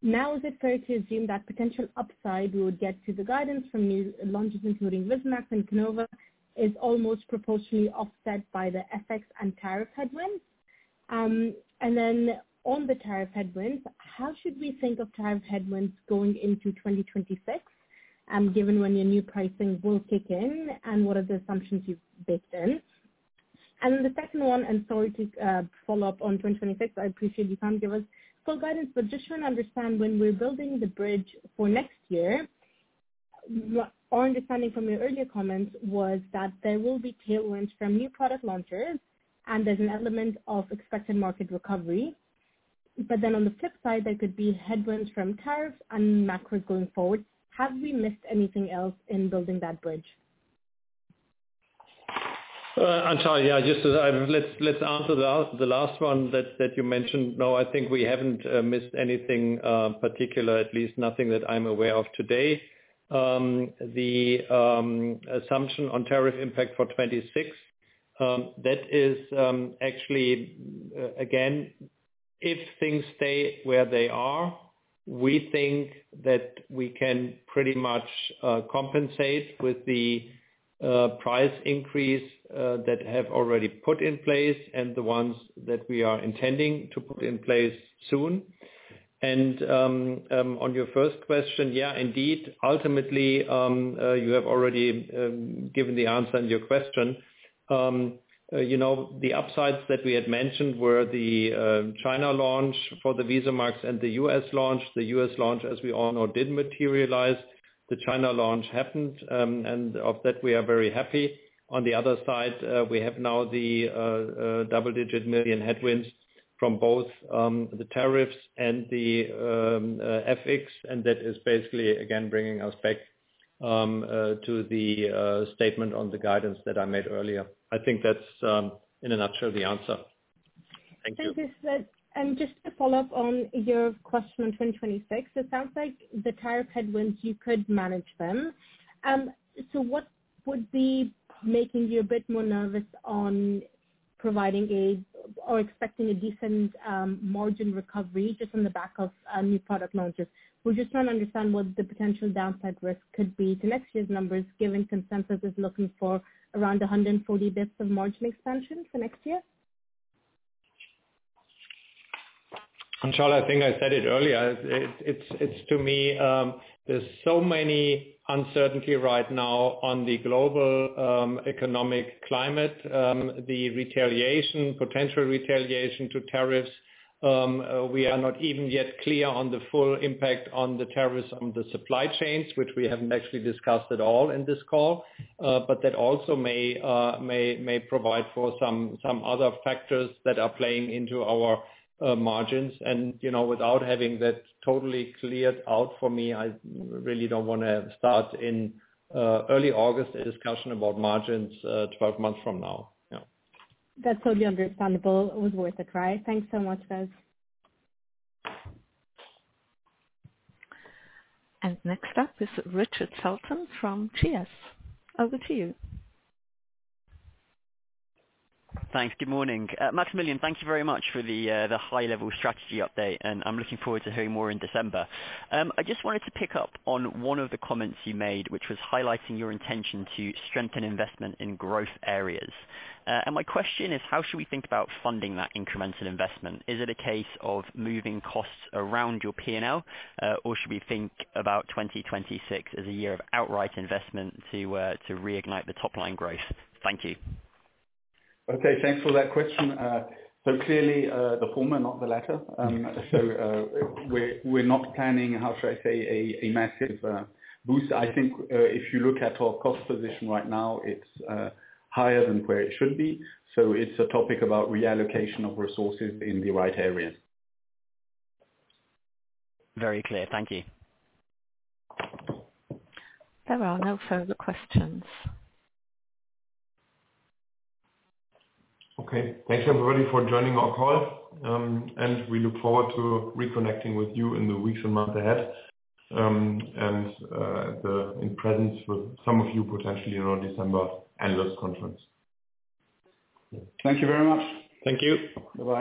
Now, is it fair to assume that potential upside we would get to the guidance from new launches, including VISUMAX and KINEVO, is almost proposed to be offset by the FX and tariff headwinds? On the tariff headwinds, how should we think of tariff headwinds going into 2026, given when your new pricing will kick in, and what are the assumptions you've baked in? The second one, and sorry to follow up on 2026, I appreciate you can't give us full guidance, but just trying to understand when we're building the bridge for next year, our understanding from your earlier comments was that there will be tailwinds from new product launches, and there's an element of expected market recovery. On the flip side, there could be headwinds from tariffs and macro going forward. Have we missed anything else in building that bridge? Anchal, yeah. Justus here. Let's answer the last one that you mentioned. No, I think we haven't missed anything particular, at least nothing that I'm aware of today. The assumption on tariff impact for 2026, that is, actually, again, if things stay where they are, we think that we can pretty much compensate with the price increase that we have already put in place and the ones that we are intending to put in place soon. On your first question, yeah, indeed, ultimately, you have already given the answer in your question. You know, the upsides that we had mentioned were the China launch for the VISUMAX and the U.S. launch. The U.S. launch, as we all know, didn't materialize. The China launch happened, and of that, we are very happy. On the other side, we have now the double-digit million headwinds from both the tariffs and the FX, and that is basically, again, bringing us back to the statement on the guidance that I made earlier. I think that's, in a nutshell, the answer. Thank Justus. Thank you. Just to follow up on your question on 2026, it sounds like the tariff headwinds, you could manage them. What would be making you a bit more nervous on providing or expecting a decent margin recovery just on the back of new product launches? We're just trying to understand what the potential downside risk could be to next year's numbers given consensus is looking for around 140 bps of margin expansion for next year. Anchal, I think I said it earlier. To me, there's so much uncertainty right now on the global economic climate, the potential retaliation to tariffs. We are not even yet clear on the full impact of the tariffs on the supply chains, which we haven't actually discussed at all in this call. That also may provide for some other factors that are playing into our margins. You know, without having that totally cleared out for me, I really don't want to start in early August a discussion about margins twelve months from now. Yeah. That's totally understandable. It was worth it, right? Thanks so much, guys. Next up is Richard Felton from GS. Over to you. Thanks. Good morning. Maximilian, thank you very much for the high-level strategy update, and I'm looking forward to hearing more in December. I just wanted to pick up on one of the comments you made, which was highlighting your intention to strengthen investment in growth areas. My question is, how should we think about funding that incremental investment? Is it a case of moving costs around your P&L, or should we think about 2026 as a year of outright investment to reignite the top line growth? Thank you. Okay. Thanks for that question. Clearly, the former, not the latter. We're not planning, how shall I say, a massive boost. I think if you look at our cost position right now, it's higher than where it should be. It's a topic about reallocation of resources in the right areas. Very clear. Thank you. There are no further questions. Okay. Thanks, everybody, for joining our call. We look forward to reconnecting with you in the weeks and months ahead, and the in presence with some of you potentially in our December analyst conference. Thank you very much. Thank you. Bye-bye.